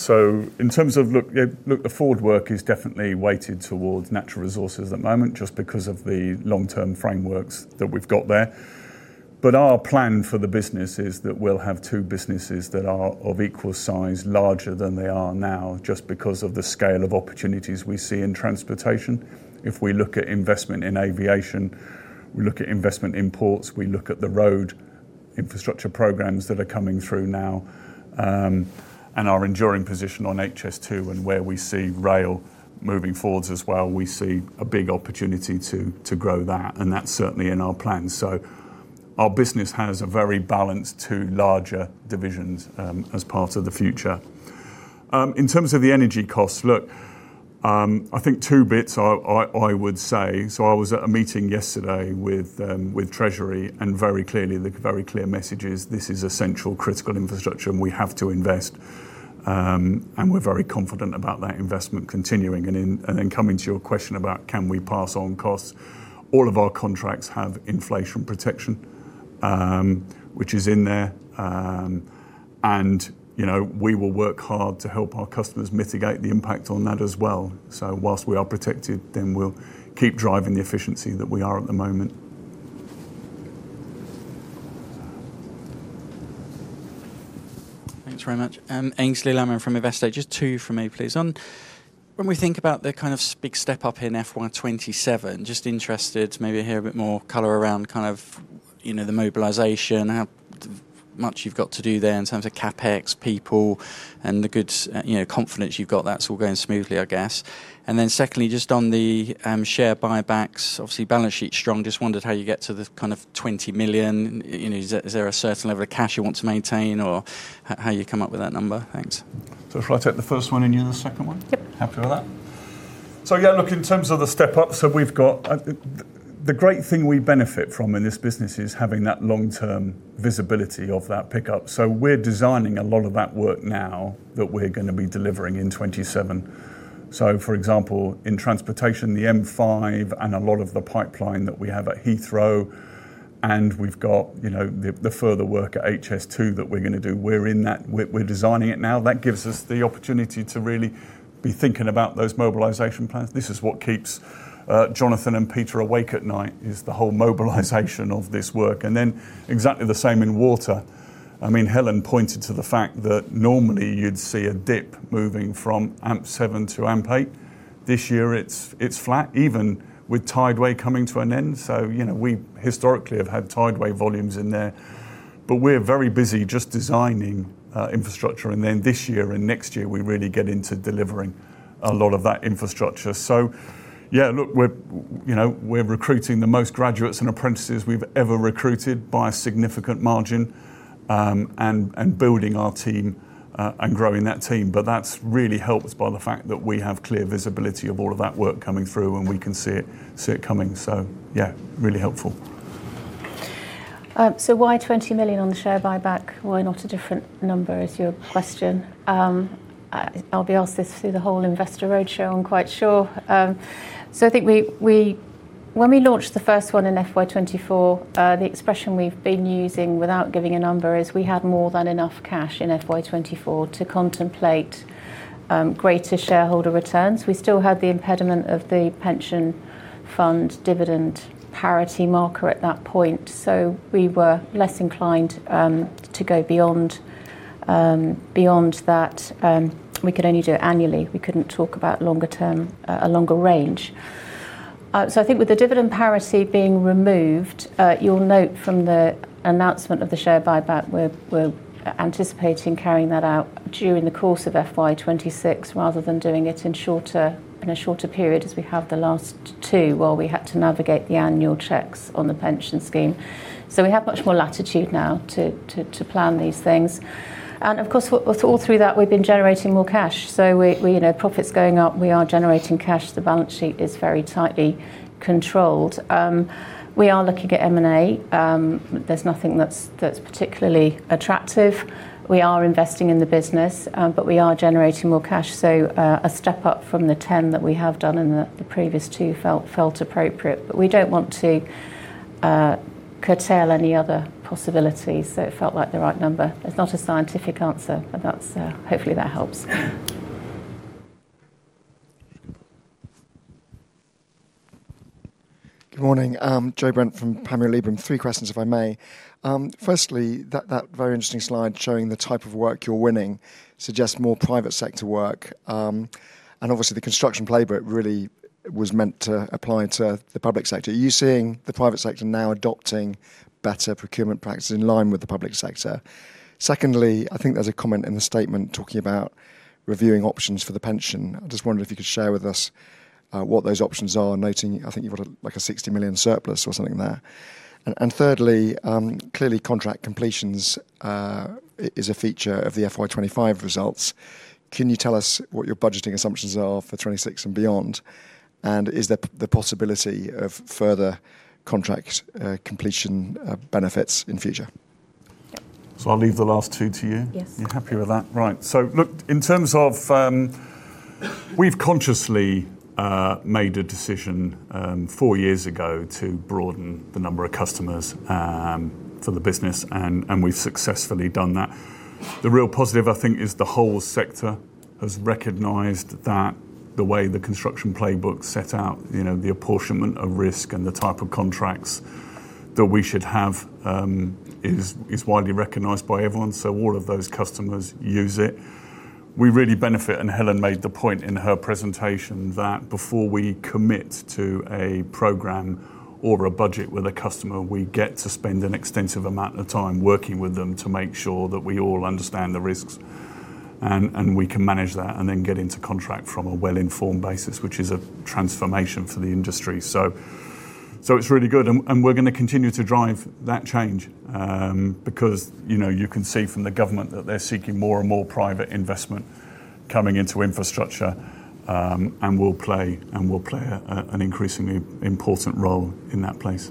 In terms of look, yeah, look, the forward work is definitely weighted towards natural resources at the moment, just because of the long-term frameworks that we've got there. Our plan for the business is that we'll have two businesses that are of equal size, larger than they are now, just because of the scale of opportunities we see in transportation. If we look at investment in aviation, we look at investment in ports, we look at the road infrastructure programs that are coming through now, and our enduring position on HS2 and where we see rail moving forwards as well, we see a big opportunity to grow that, and that's certainly in our plans. Our business has a very balanced two larger divisions as part of the future. In terms of the energy costs, look, I think two bits. I would say. I was at a meeting yesterday with Treasury, and very clearly, the very clear message is this is essential, critical infrastructure and we have to invest, and we're very confident about that investment continuing. Then coming to your question about can we pass on costs, all of our contracts have inflation protection, which is in there, and, you know, we will work hard to help our customers mitigate the impact on that as well. While we are protected, then we'll keep driving the efficiency that we are at the moment. Thanks very much. Aynsley Lammin from Investec. Just two from me, please. When we think about the kind of big step up in FY 2027, just interested to maybe hear a bit more color around kind of, you know, the mobilization, how much you've got to do there in terms of CapEx, people and the good, you know, confidence you've got that's all going smoothly, I guess. Then secondly, just on the share buybacks, obviously balance sheet's strong. Just wondered how you get to the kind of 20 million. You know, is there a certain level of cash you want to maintain or how you come up with that number? Thanks. If I take the first one and you the second one? Yep. Happy with that? Yeah, look, in terms of the step up, we've got the great thing we benefit from in this business is having that long-term visibility of that pickup. We're designing a lot of that work now that we're gonna be delivering in 2027. For example, in transportation, the M5 and a lot of the pipeline that we have at Heathrow, and we've got, you know, the further work at HS2 that we're gonna do, we're in that. We're designing it now. That gives us the opportunity to really be thinking about those mobilization plans. This is what keeps Jonathan and Peter awake at night, is the whole mobilization of this work. Exactly the same in water. I mean, Helen pointed to the fact that normally you'd see a dip moving from AMP7 to AMP8. This year it's flat, even with Tideway coming to an end. You know, we historically have had Tideway volumes in there. We're very busy just designing infrastructure. This year and next year, we really get into delivering a lot of that infrastructure. Yeah, look, you know, we're recruiting the most graduates and apprentices we've ever recruited by a significant margin, and building our team and growing that team. That's really helped by the fact that we have clear visibility of all of that work coming through, and we can see it coming. Yeah, really helpful. Why 20 million on the share buyback? Why not a different number, is your question. I'll be asked this through the whole investor roadshow, I'm quite sure. I think we when we launched the first one in FY 2024, the expression we've been using without giving a number is we had more than enough cash in FY 2024 to contemplate greater shareholder returns. We still had the impediment of the pension fund dividend parity marker at that point, so we were less inclined to go beyond that. We could only do it annually. We couldn't talk about longer term, a longer range. I think with the dividend parity being removed, you'll note from the announcement of the share buyback, we're anticipating carrying that out during the course of FY 2026, rather than doing it in a shorter period as we have the last two, while we had to navigate the annual checks on the pension scheme. We have much more latitude now to plan these things. Of course, with all through that, we've been generating more cash. We, you know, profits going up, we are generating cash. The balance sheet is very tightly controlled. We are looking at M&A. There's nothing that's particularly attractive. We are investing in the business, but we are generating more cash. A step up from the 10 that we have done in the previous two felt appropriate. We don't want to curtail any other possibilities, so it felt like the right number. It's not a scientific answer, but that's hopefully that helps. Good morning. I'm Joe Brent from Panmure Liberum. Three questions, if I may. Firstly, that very interesting slide showing the type of work you're winning suggests more private sector work. Obviously the Construction Playbook really was meant to apply to the public sector. Are you seeing the private sector now adopting better procurement practices in line with the public sector? Secondly, I think there's a comment in the statement talking about reviewing options for the pension. I just wondered if you could share with us what those options are, noting I think you've got like a 60 million surplus or something there. Thirdly, clearly contract completions is a feature of the FY 2025 results. Can you tell us what your budgeting assumptions are for 2026 and beyond? Is there the possibility of further contract completion benefits in future? I'll leave the last two to you. Yes. You're happy with that? Right. Look, in terms of, we've consciously made a decision four years ago to broaden the number of customers for the business, and we've successfully done that. The real positive, I think, is the whole sector has recognized that the way the Construction Playbook set out, you know, the apportionment of risk and the type of contracts that we should have is widely recognized by everyone. All of those customers use it. We really benefit, and Helen made the point in her presentation, that before we commit to a program or a budget with a customer, we get to spend an extensive amount of time working with them to make sure that we all understand the risks and we can manage that and then get into contract from a well-informed basis, which is a transformation for the industry. It's really good, and we're gonna continue to drive that change, because you know, you can see from the government that they're seeking more and more private investment coming into infrastructure, and we'll play an increasingly important role in that space.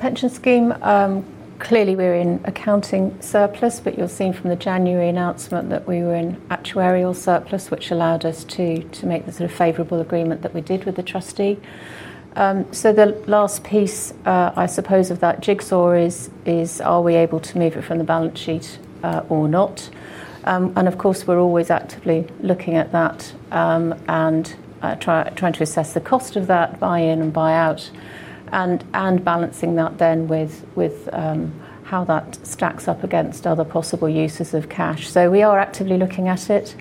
Pension scheme, clearly we're in accounting surplus, but you'll have seen from the January announcement that we were in actuarial surplus, which allowed us to make the sort of favorable agreement that we did with the trustee. The last piece, I suppose, of that jigsaw is, are we able to move it from the balance sheet, or not? Of course, we're always actively looking at that, and trying to assess the cost of that buy-in and buy-out and balancing that then with how that stacks up against other possible uses of cash. We are actively looking at it,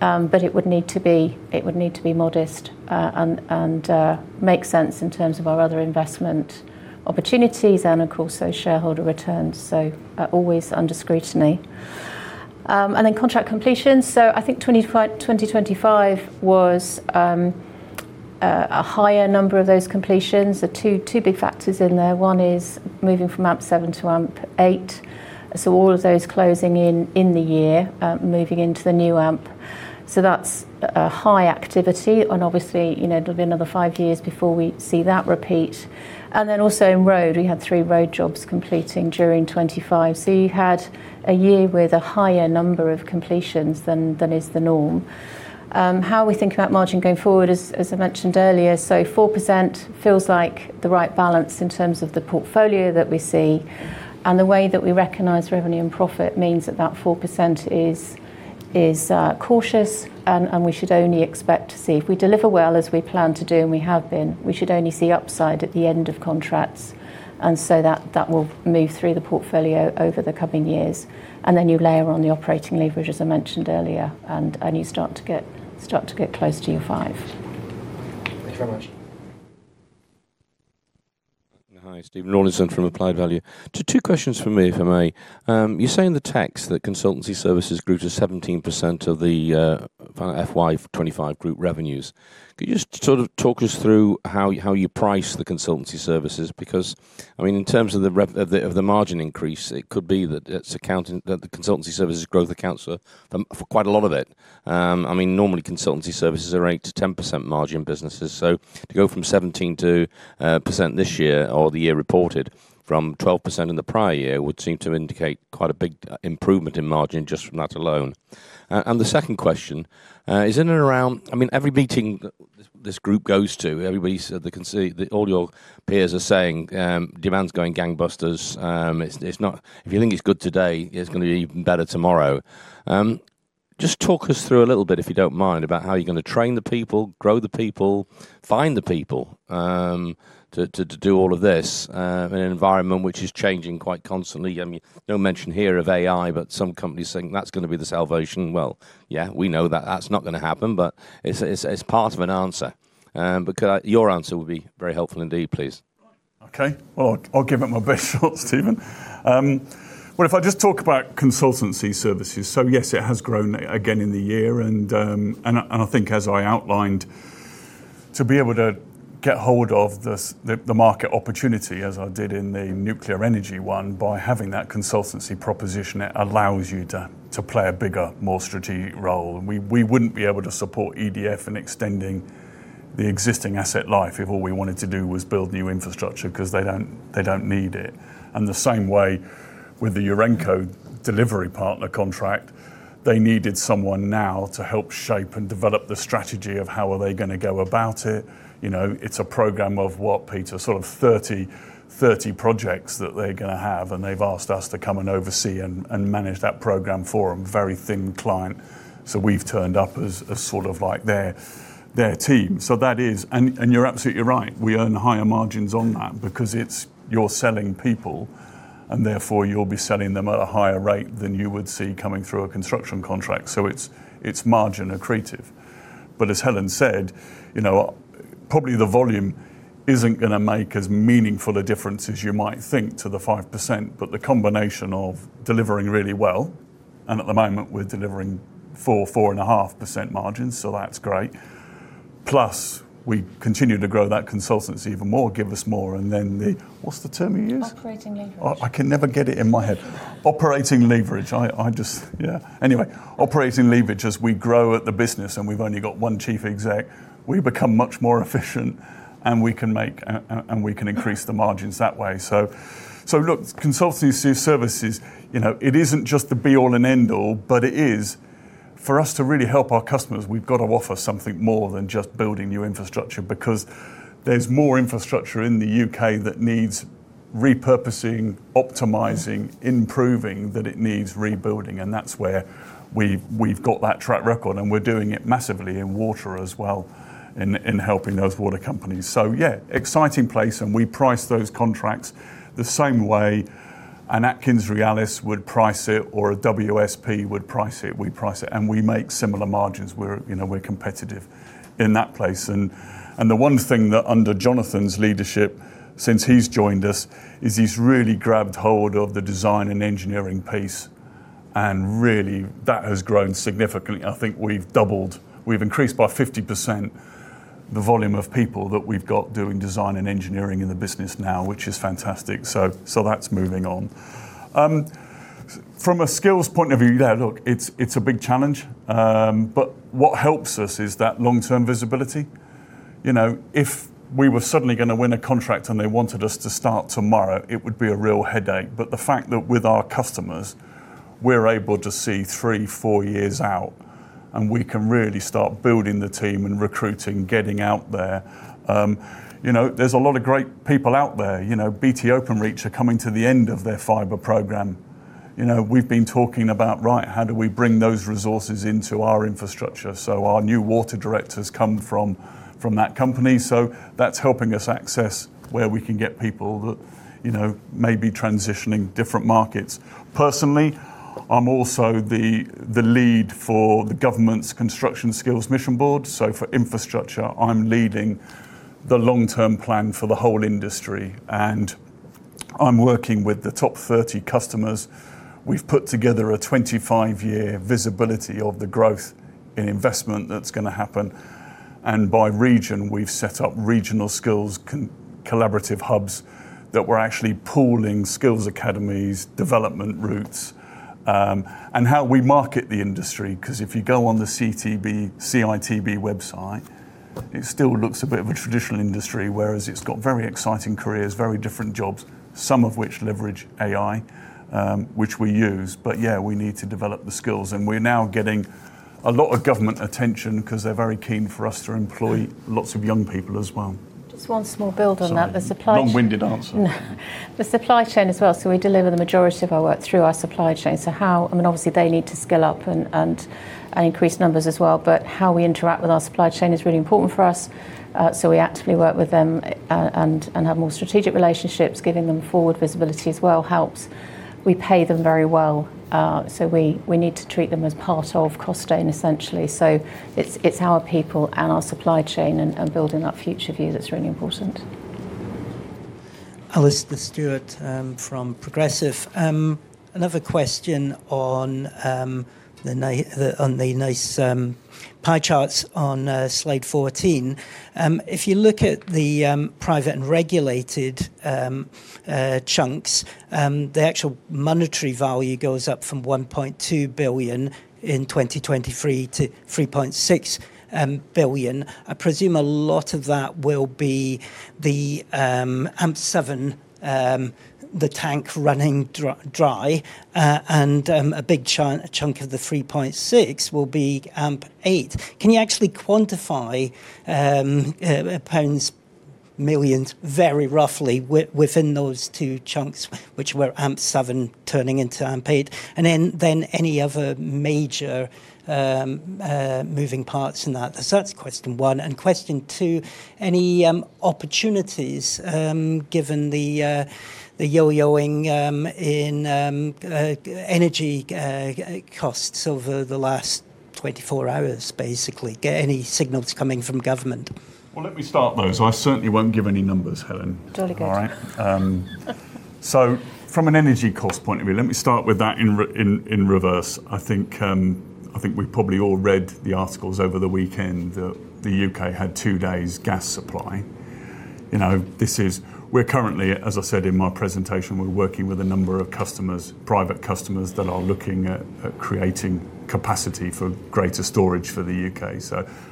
but it would need to be modest and make sense in terms of our other investment opportunities and of course those shareholder returns. Always under scrutiny. Contract completions. I think 2025 was a higher number of those completions. There are two big factors in there. One is moving from AMP7 to AMP8. All of those closing in the year, moving into the new AMP. That's a high activity and obviously, you know, it'll be another five years before we see that repeat. Also in road, we had three road jobs completing during 2025. You had a year with a higher number of completions than is the norm. How are we thinking about margin going forward? As I mentioned earlier, so 4% feels like the right balance in terms of the portfolio that we see. The way that we recognize revenue and profit means that 4% is cautious and we should only expect to see. If we deliver well, as we plan to do, and we have been, we should only see upside at the end of contracts. That will move through the portfolio over the coming years. Then you layer on the operating leverage, as I mentioned earlier, and you start to get close to your 5%. Thank you very much. Hi, Stephen Rawlinson from Applied Value. Just two questions from me, if I may. You say in the text that consultancy services grew to 17% of the FY 2025 group revenues. Could you just sort of talk us through how you price the consultancy services? Because I mean, in terms of the margin increase, it could be that the consultancy services growth accounts for quite a lot of it. I mean, normally consultancy services are 8%-10% margin businesses. So to go from 12% to 17% this year or the year reported from 12% in the prior year would seem to indicate quite a big improvement in margin just from that alone. The second question is in and around, I mean, every meeting this group goes to, everybody can see all your peers are saying demand's going gangbusters. It's not. If you think it's good today, it's going to be even better tomorrow. Just talk us through a little bit, if you don't mind, about how you're going to train the people, grow the people, find the people to do all of this in an environment which is changing quite constantly. I mean, no mention here of AI, but some companies think that's going to be the salvation. Well, yeah, we know that that's not going to happen, but it's part of an answer because your answer would be very helpful indeed, please. Okay. Well, I'll give it my best shot, Stephen. Well, if I just talk about consultancy services, so yes, it has grown again in the year. I think as I outlined, to be able to get hold of the market opportunity, as I did in the nuclear energy one, by having that consultancy proposition, it allows you to play a bigger, more strategic role. We wouldn't be able to support EDF in extending the existing asset life if all we wanted to do was build new infrastructure because they don't need it. The same way with the Urenco delivery partner contract, they needed someone now to help shape and develop the strategy of how are they going to go about it. You know, it's a program of what, Peter, sort of 30 projects that they're going to have, and they've asked us to come and oversee and manage that program for them. Very thin client. We've turned up as sort of like their team. That is. You're absolutely right. We earn higher margins on that because it's you're selling people, and therefore you'll be selling them at a higher rate than you would see coming through a construction contract. It's margin accretive. As Helen said, you know, probably the volume isn't going to make as meaningful a difference as you might think to the 5%. The combination of delivering really well, and at the moment we're delivering 4.5% margins, so that's great. We continue to grow that consultancy even more, give us more, and then the, what's the term you use? Operating leverage. I can never get it in my head. Operating leverage. I just, yeah. Anyway, operating leverage as we grow the business, and we've only got one chief exec, we become much more efficient, and we can increase the margins that way. Look, consultancy services, you know, it isn't just the be all and end all, but it is for us to really help our customers, we've got to offer something more than just building new infrastructure because there's more infrastructure in the U.K. that needs repurposing, optimizing, improving, than it needs rebuilding. That's where we've got that track record, and we're doing it massively in water as well in helping those water companies. Yeah, exciting place, and we price those contracts the same way an AtkinsRéalis would price it or a WSP would price it. We price it, and we make similar margins. We're, you know, competitive in that place. The one thing that under Jonathan's leadership since he's joined us is he's really grabbed hold of the design and engineering piece, and really that has grown significantly. I think we've increased by 50% the volume of people that we've got doing design and engineering in the business now, which is fantastic. That's moving on. From a skills point of view, yeah, look, it's a big challenge. What helps us is that long-term visibility. You know, if we were suddenly going to win a contract and they wanted us to start tomorrow, it would be a real headache. The fact that with our customers, we're able to see three, four years out, and we can really start building the team and recruiting, getting out there. You know, there's a lot of great people out there. You know, BT Openreach are coming to the end of their fiber program. You know, we've been talking about, right, how do we bring those resources into our infrastructure? So our new water directors come from that company. So that's helping us access where we can get people that, you know, may be transitioning different markets. Personally, I'm also the lead for the government's Construction Skills Mission Board. So for infrastructure, I'm leading the long-term plan for the whole industry, and I'm working with the top 30 customers. We've put together a 25-year visibility of the growth in investment that's going to happen. By region, we've set up regional skills collaborative hubs that we're actually pooling skills academies, development routes, and how we market the industry. 'Cause if you go on the CITB website, it still looks a bit of a traditional industry, whereas it's got very exciting careers, very different jobs, some of which leverage AI, which we use. Yeah, we need to develop the skills, and we're now getting a lot of government attention 'cause they're very keen for us to employ lots of young people as well. Just one small build on that. Sorry. Long-winded answer. The supply chain as well. We deliver the majority of our work through our supply chain. I mean, obviously they need to skill up and increase numbers as well. How we interact with our supply chain is really important for us. We actively work with them and have more strategic relationships, giving them forward visibility as well helps. We pay them very well, so we need to treat them as part of Costain, essentially. It's our people and our supply chain and building that future view that's really important. Alastair Stewart from Progressive. Another question on the nice pie charts on slide 14. If you look at the private and regulated chunks, the actual monetary value goes up from 1.2 billion in 2023 to 3.6 billion. I presume a lot of that will be the AMP7, the tank running dry, and a big chunk of the 3.6 billion will be AMP8. Can you actually quantify pounds, millions very roughly within those two chunks which were AMP7 turning into AMP8, and then any other major moving parts in that? That's question one. Question two, any opportunities given the yo-yoing in energy costs over the last 24 hours, basically? Any signals coming from government? Well, let me start those. I certainly won't give any numbers, Helen. Jolly good. All right? From an energy cost point of view, let me start with that in reverse. I think we've probably all read the articles over the weekend that the U.K. had two days' gas supply. You know, this is, we're currently, as I said in my presentation, working with a number of customers, private customers that are looking at creating capacity for greater storage for the. UK.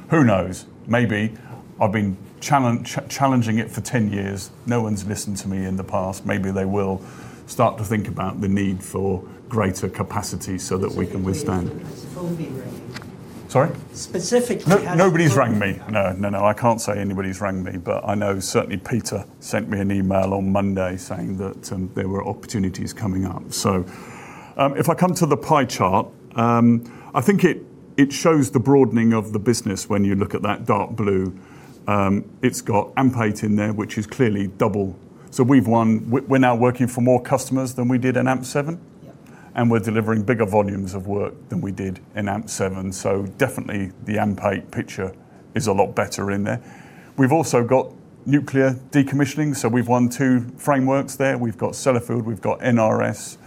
Who knows? Maybe. I've been challenging it for ten years. No one's listened to me in the past. Maybe they will start to think about the need for greater capacity so that we can withstand. Specifically, has anyone's phone been ringing? Sorry? Specifically, has. No. Nobody's rang me. No, no, I can't say anybody's rang me. I know certainly Peter sent me an email on Monday saying that there were opportunities coming up. If I come to the pie chart, I think it shows the broadening of the business when you look at that dark blue. It's got AMP8 in there, which is clearly double. We're now working for more customers than we did in AMP7. Yeah. We're delivering bigger volumes of work than we did in AMP7. Definitely the AMP8 picture is a lot better in there. We've also got nuclear decommissioning, so we've won two frameworks there. We've got Sellafield, we've got NRS.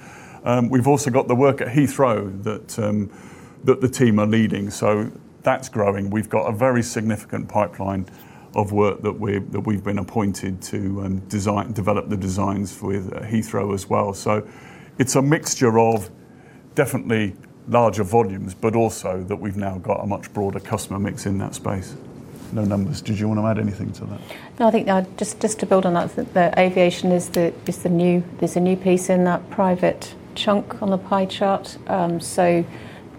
We've also got the work at Heathrow that the team are leading. That's growing. We've got a very significant pipeline of work that we've been appointed to and develop the designs with Heathrow as well. It's a mixture of definitely larger volumes, but also that we've now got a much broader customer mix in that space. No numbers. Did you wanna add anything to that? No, I think just to build on that, the aviation is the new, there's a new piece in that private chunk on the pie chart.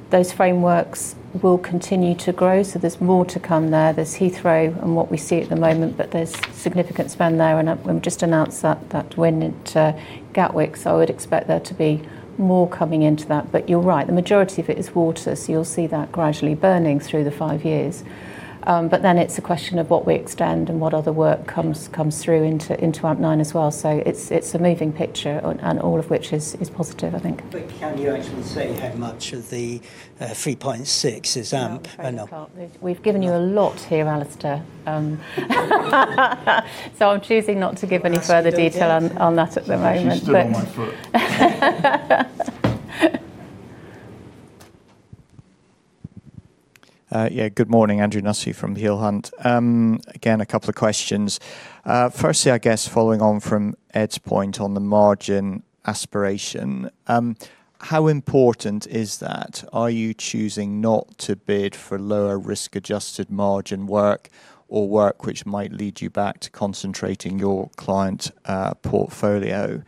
Those frameworks will continue to grow. There's more to come there. There's Heathrow and what we see at the moment, but there's significant spend there, and we've just announced that win at Gatwick. I would expect there to be more coming into that. But you're right, the majority of it is water. You'll see that gradually burning through the five years. But then it's a question of what we extend and what other work comes through into AMP9 as well. It's a moving picture and all of which is positive, I think. Can you actually say how much of the 3.6 billion is AMP and not? No, I'm afraid we can't. We've given you a lot here, Alastair. So I'm choosing not to give any further detail on that at the moment. She's still on my foot. Yeah, good morning. Andrew Nussey from Peel Hunt. Again, a couple of questions. Firstly, I guess following on from Ed's point on the margin aspiration, how important is that? Are you choosing not to bid for lower risk-adjusted margin work or work which might lead you back to concentrating your client portfolio?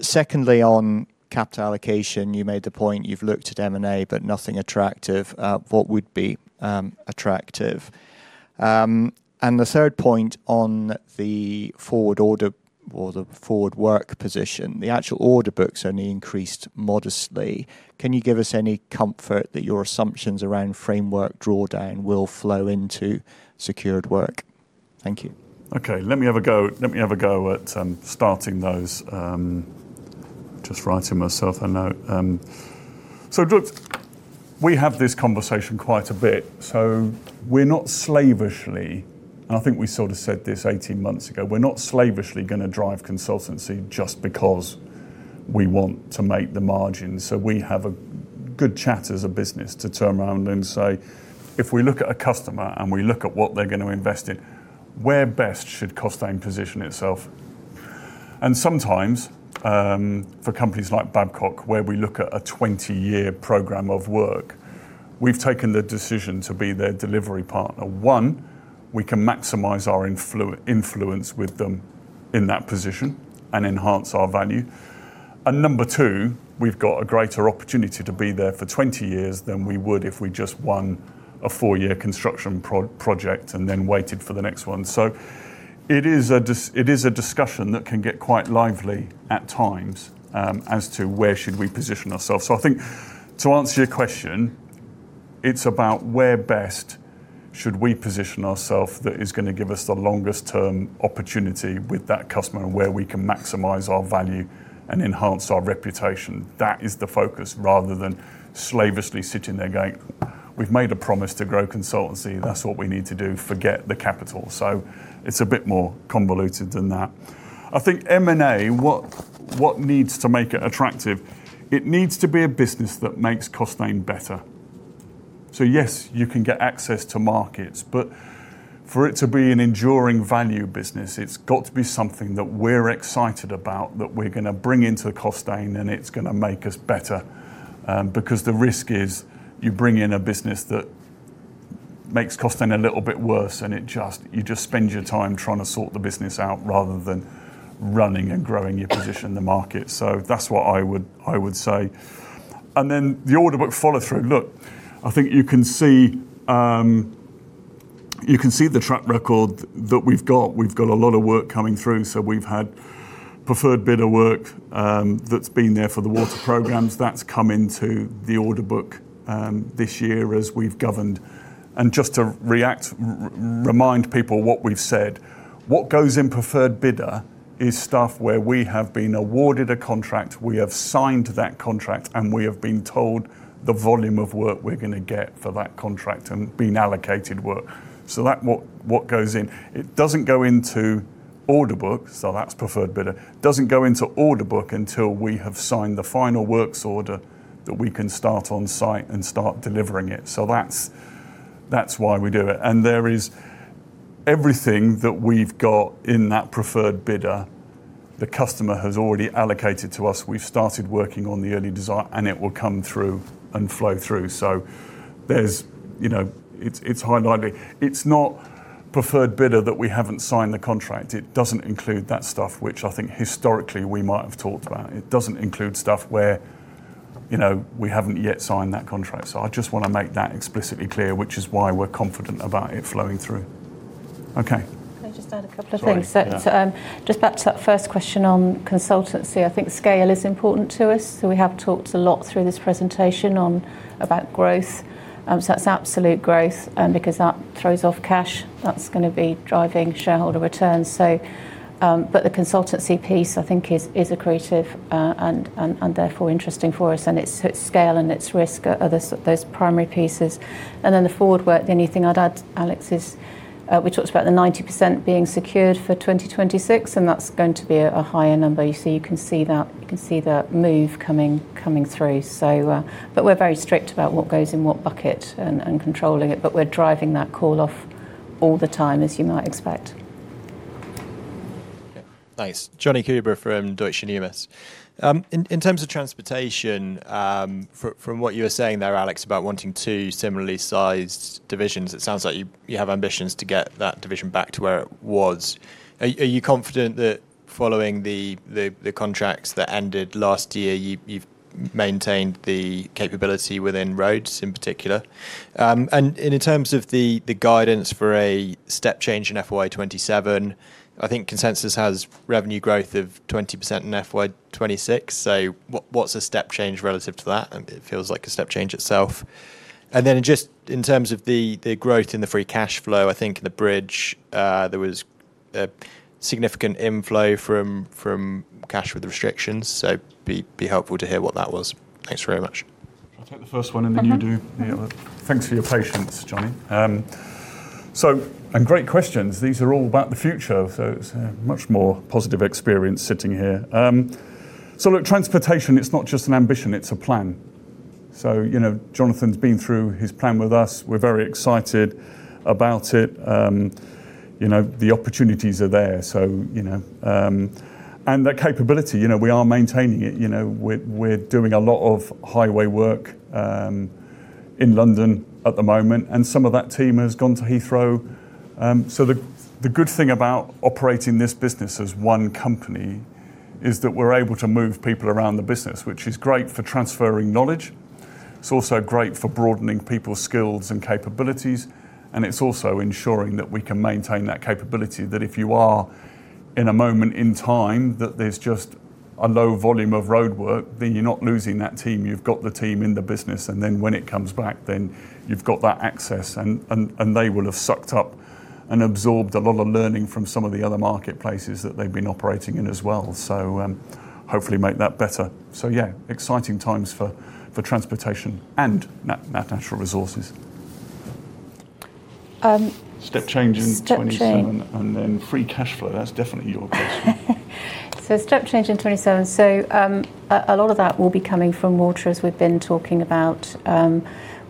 Secondly, on capital allocation, you made the point you've looked at M&A, but nothing attractive. What would be attractive? The third point on the forward order or the forward work position, the actual order book's only increased modestly. Can you give us any comfort that your assumptions around framework drawdown will flow into secured work? Thank you. Okay. Let me have a go at starting those. Just writing myself a note. Look, we have this conversation quite a bit. We're not slavishly, and I think we sort of said this 18 months ago, we're not slavishly gonna drive consultancy just because we want to make the margins. We have a good chat as a business to turn around and say, "If we look at a customer and we look at what they're gonna invest in, where best should Costain position itself?" Sometimes, for companies like Babcock, where we look at a 20-year program of work, we've taken the decision to be their delivery partner. One, we can maximize our influence with them in that position and enhance our value. Number two, we've got a greater opportunity to be there for 20 years than we would if we just won a four-year construction project and then waited for the next one. It is a discussion that can get quite lively at times, as to where should we position ourselves. I think to answer your question. It's about where best should we position ourselves that is gonna give us the longest term opportunity with that customer, and where we can maximize our value and enhance our reputation. That is the focus rather than slavishly sitting there going, "We've made a promise to grow consultancy. That's what we need to do. Forget the capital." It's a bit more convoluted than that. I think M&A, what needs to make it attractive, it needs to be a business that makes Costain better. Yes, you can get access to markets, but for it to be an enduring value business, it's got to be something that we're excited about, that we're gonna bring into Costain, and it's gonna make us better. Because the risk is you bring in a business that makes Costain a little bit worse, and you just spend your time trying to sort the business out rather than running and growing your position in the market. That's what I would say. The order book follow-through. Look, I think you can see the track record that we've got. We've got a lot of work coming through. We've had preferred bidder work that's been there for the water programs. That's come into the order book this year as we've governed. Just to remind people what we've said, what goes in preferred bidder is stuff where we have been awarded a contract, we have signed that contract, and we have been told the volume of work we're gonna get for that contract and been allocated work. That what goes in. It doesn't go into order book, that's preferred bidder. It doesn't go into order book until we have signed the final works order that we can start on site and start delivering it. That's why we do it. There is everything that we've got in that preferred bidder the customer has already allocated to us. We've started working on the early design and it will come through and flow through. There's highlighting. It's not preferred bidder that we haven't signed the contract. It doesn't include that stuff, which I think historically we might have talked about. It doesn't include stuff where, you know, we haven't yet signed that contract. I just wanna make that explicitly clear, which is why we're confident about it flowing through. Okay. Can I just add a couple of things? Sorry. Yeah. Just back to that first question on consultancy. I think scale is important to us. We have talked a lot through this presentation about growth. That's absolute growth, because that throws off cash. That's gonna be driving shareholder returns. The consultancy piece, I think, is accretive and therefore interesting for us, and its scale and its risk are those primary pieces. Then the forward work, the only thing I'd add, Alex, is we talked about the 90% being secured for 2026, and that's going to be a higher number. You see, you can see that move coming through. We're very strict about what goes in what bucket and controlling it. We're driving that call off all the time, as you might expect. Okay, thanks. Jonny Coubrough from Deutsche Numis. In terms of transportation, from what you were saying there, Alex, about wanting two similarly sized divisions, it sounds like you have ambitions to get that division back to where it was. Are you confident that following the contracts that ended last year, you've maintained the capability within roads in particular? In terms of the guidance for a step change in FY 2027, I think consensus has revenue growth of 20% in FY 2026. What's a step change relative to that? It feels like a step change itself. In terms of the growth in the free cash flow, I think in the bridge, there was a significant inflow from cash with restrictions, so be helpful to hear what that was. Thanks very much. I'll take the first one, and then you do. Mm-hmm. Yeah. Thanks for your patience, Jonny. Great questions. These are all about the future, so it's a much more positive experience sitting here. Look, transportation, it's not just an ambition, it's a plan. You know, Jonathan's been through his plan with us. We're very excited about it. You know, the opportunities are there, so, you know. The capability, you know, we are maintaining it. You know, we're doing a lot of highway work in London at the moment, and some of that team has gone to Heathrow. The good thing about operating this business as one company is that we're able to move people around the business, which is great for transferring knowledge. It's also great for broadening people's skills and capabilities, and it's also ensuring that we can maintain that capability, that if you are in a moment in time that there's just a low volume of roadwork, then you're not losing that team. You've got the team in the business, and then when it comes back, then you've got that access and they will have sucked up and absorbed a lot of learning from some of the other marketplaces that they've been operating in as well. Hopefully make that better. Yeah, exciting times for transportation and natural resources. Um. Step change in 2027. Step change. Free cash flow. That's definitely your question. Step change in 2027. A lot of that will be coming from water, as we've been talking about.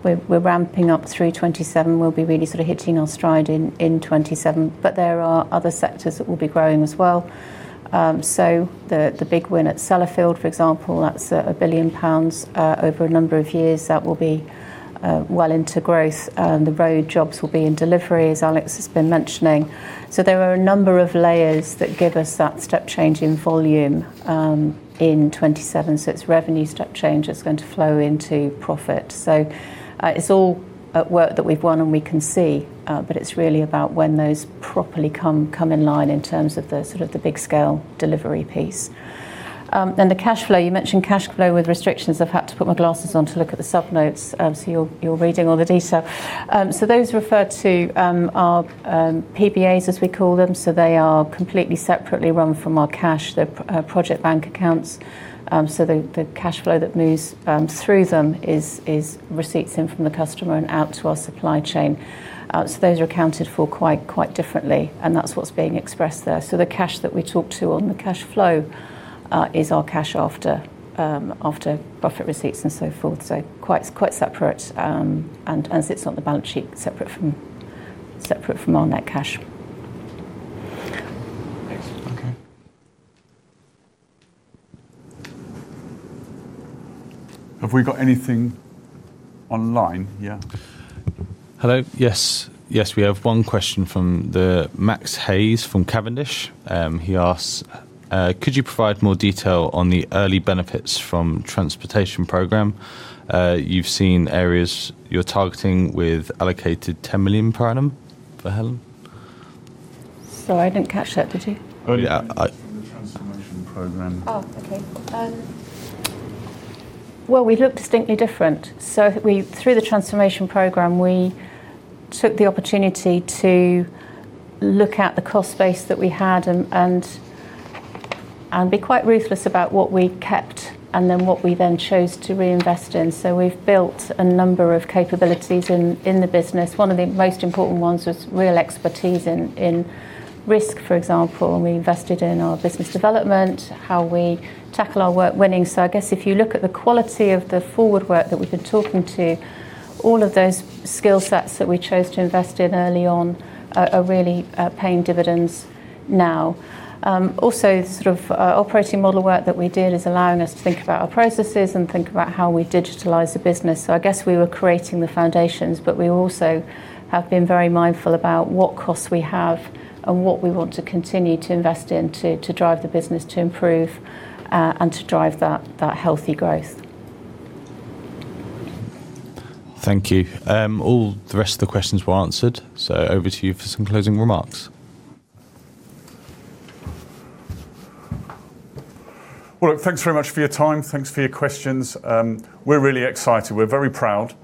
We're ramping up through 2027. We'll be really sort of hitting our stride in 2027. There are other sectors that will be growing as well. The big win at Sellafield, for example, that's 1 billion pounds over a number of years that will be well into growth. The road jobs will be in delivery, as Alex has been mentioning. There are a number of layers that give us that step change in volume in 2027. It's revenue step change that's going to flow into profit. It's all work that we've won and we can see, but it's really about when those properly come in line in terms of the sort of the big scale delivery piece. The cash flow. You mentioned cash flow with restrictions. I've had to put my glasses on to look at the sub-notes, so you're reading all the detail. Those referred to are PBAs as we call them. They are completely separately run from our cash, Project Bank Accounts. The cash flow that moves through them is receipts in from the customer and out to our supply chain. Those are accounted for quite differently, and that's what's being expressed there. The cash that we talked to on the cash flow is our cash after profit receipts and so forth. Quite separate and sits on the balance sheet separate from our net cash. Thanks. Okay. Have we got anything online? Yeah. Hello. Yes. Yes, we have one question from Max Hayes from Cavendish. He asks, "Could you provide more detail on the early benefits from transportation program? You see in areas you're targeting with allocated 10 million per annum?" For Helen. Sorry, I didn't catch that. Did you? Yeah. Early benefits from the transformation program. Oh, okay. Well, we look distinctly different. Through the transformation program, we took the opportunity to look at the cost base that we had and be quite ruthless about what we kept and then what we then chose to reinvest in. We've built a number of capabilities in the business. One of the most important ones was real expertise in risk, for example. We invested in our business development, how we tackle our work winning. I guess if you look at the quality of the forward work that we've been talking to, all of those skill sets that we chose to invest in early on are really paying dividends now. Also the sort of operating model work that we did is allowing us to think about our processes and think about how we digitalize the business. I guess we were creating the foundations, but we also have been very mindful about what costs we have and what we want to continue to invest in to drive the business to improve, and to drive that healthy growth. Thank you. All the rest of the questions were answered, so over to you for some closing remarks. Well, thanks very much for your time. Thanks for your questions. We're really excited. We're very proud.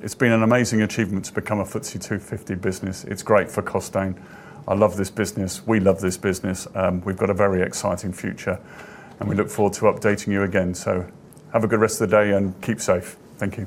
It's been an amazing achievement to become a FTSE 250 business. It's great for Costain. I love this business. We love this business. We've got a very exciting future, and we look forward to updating you again. Have a good rest of the day and keep safe. Thank you.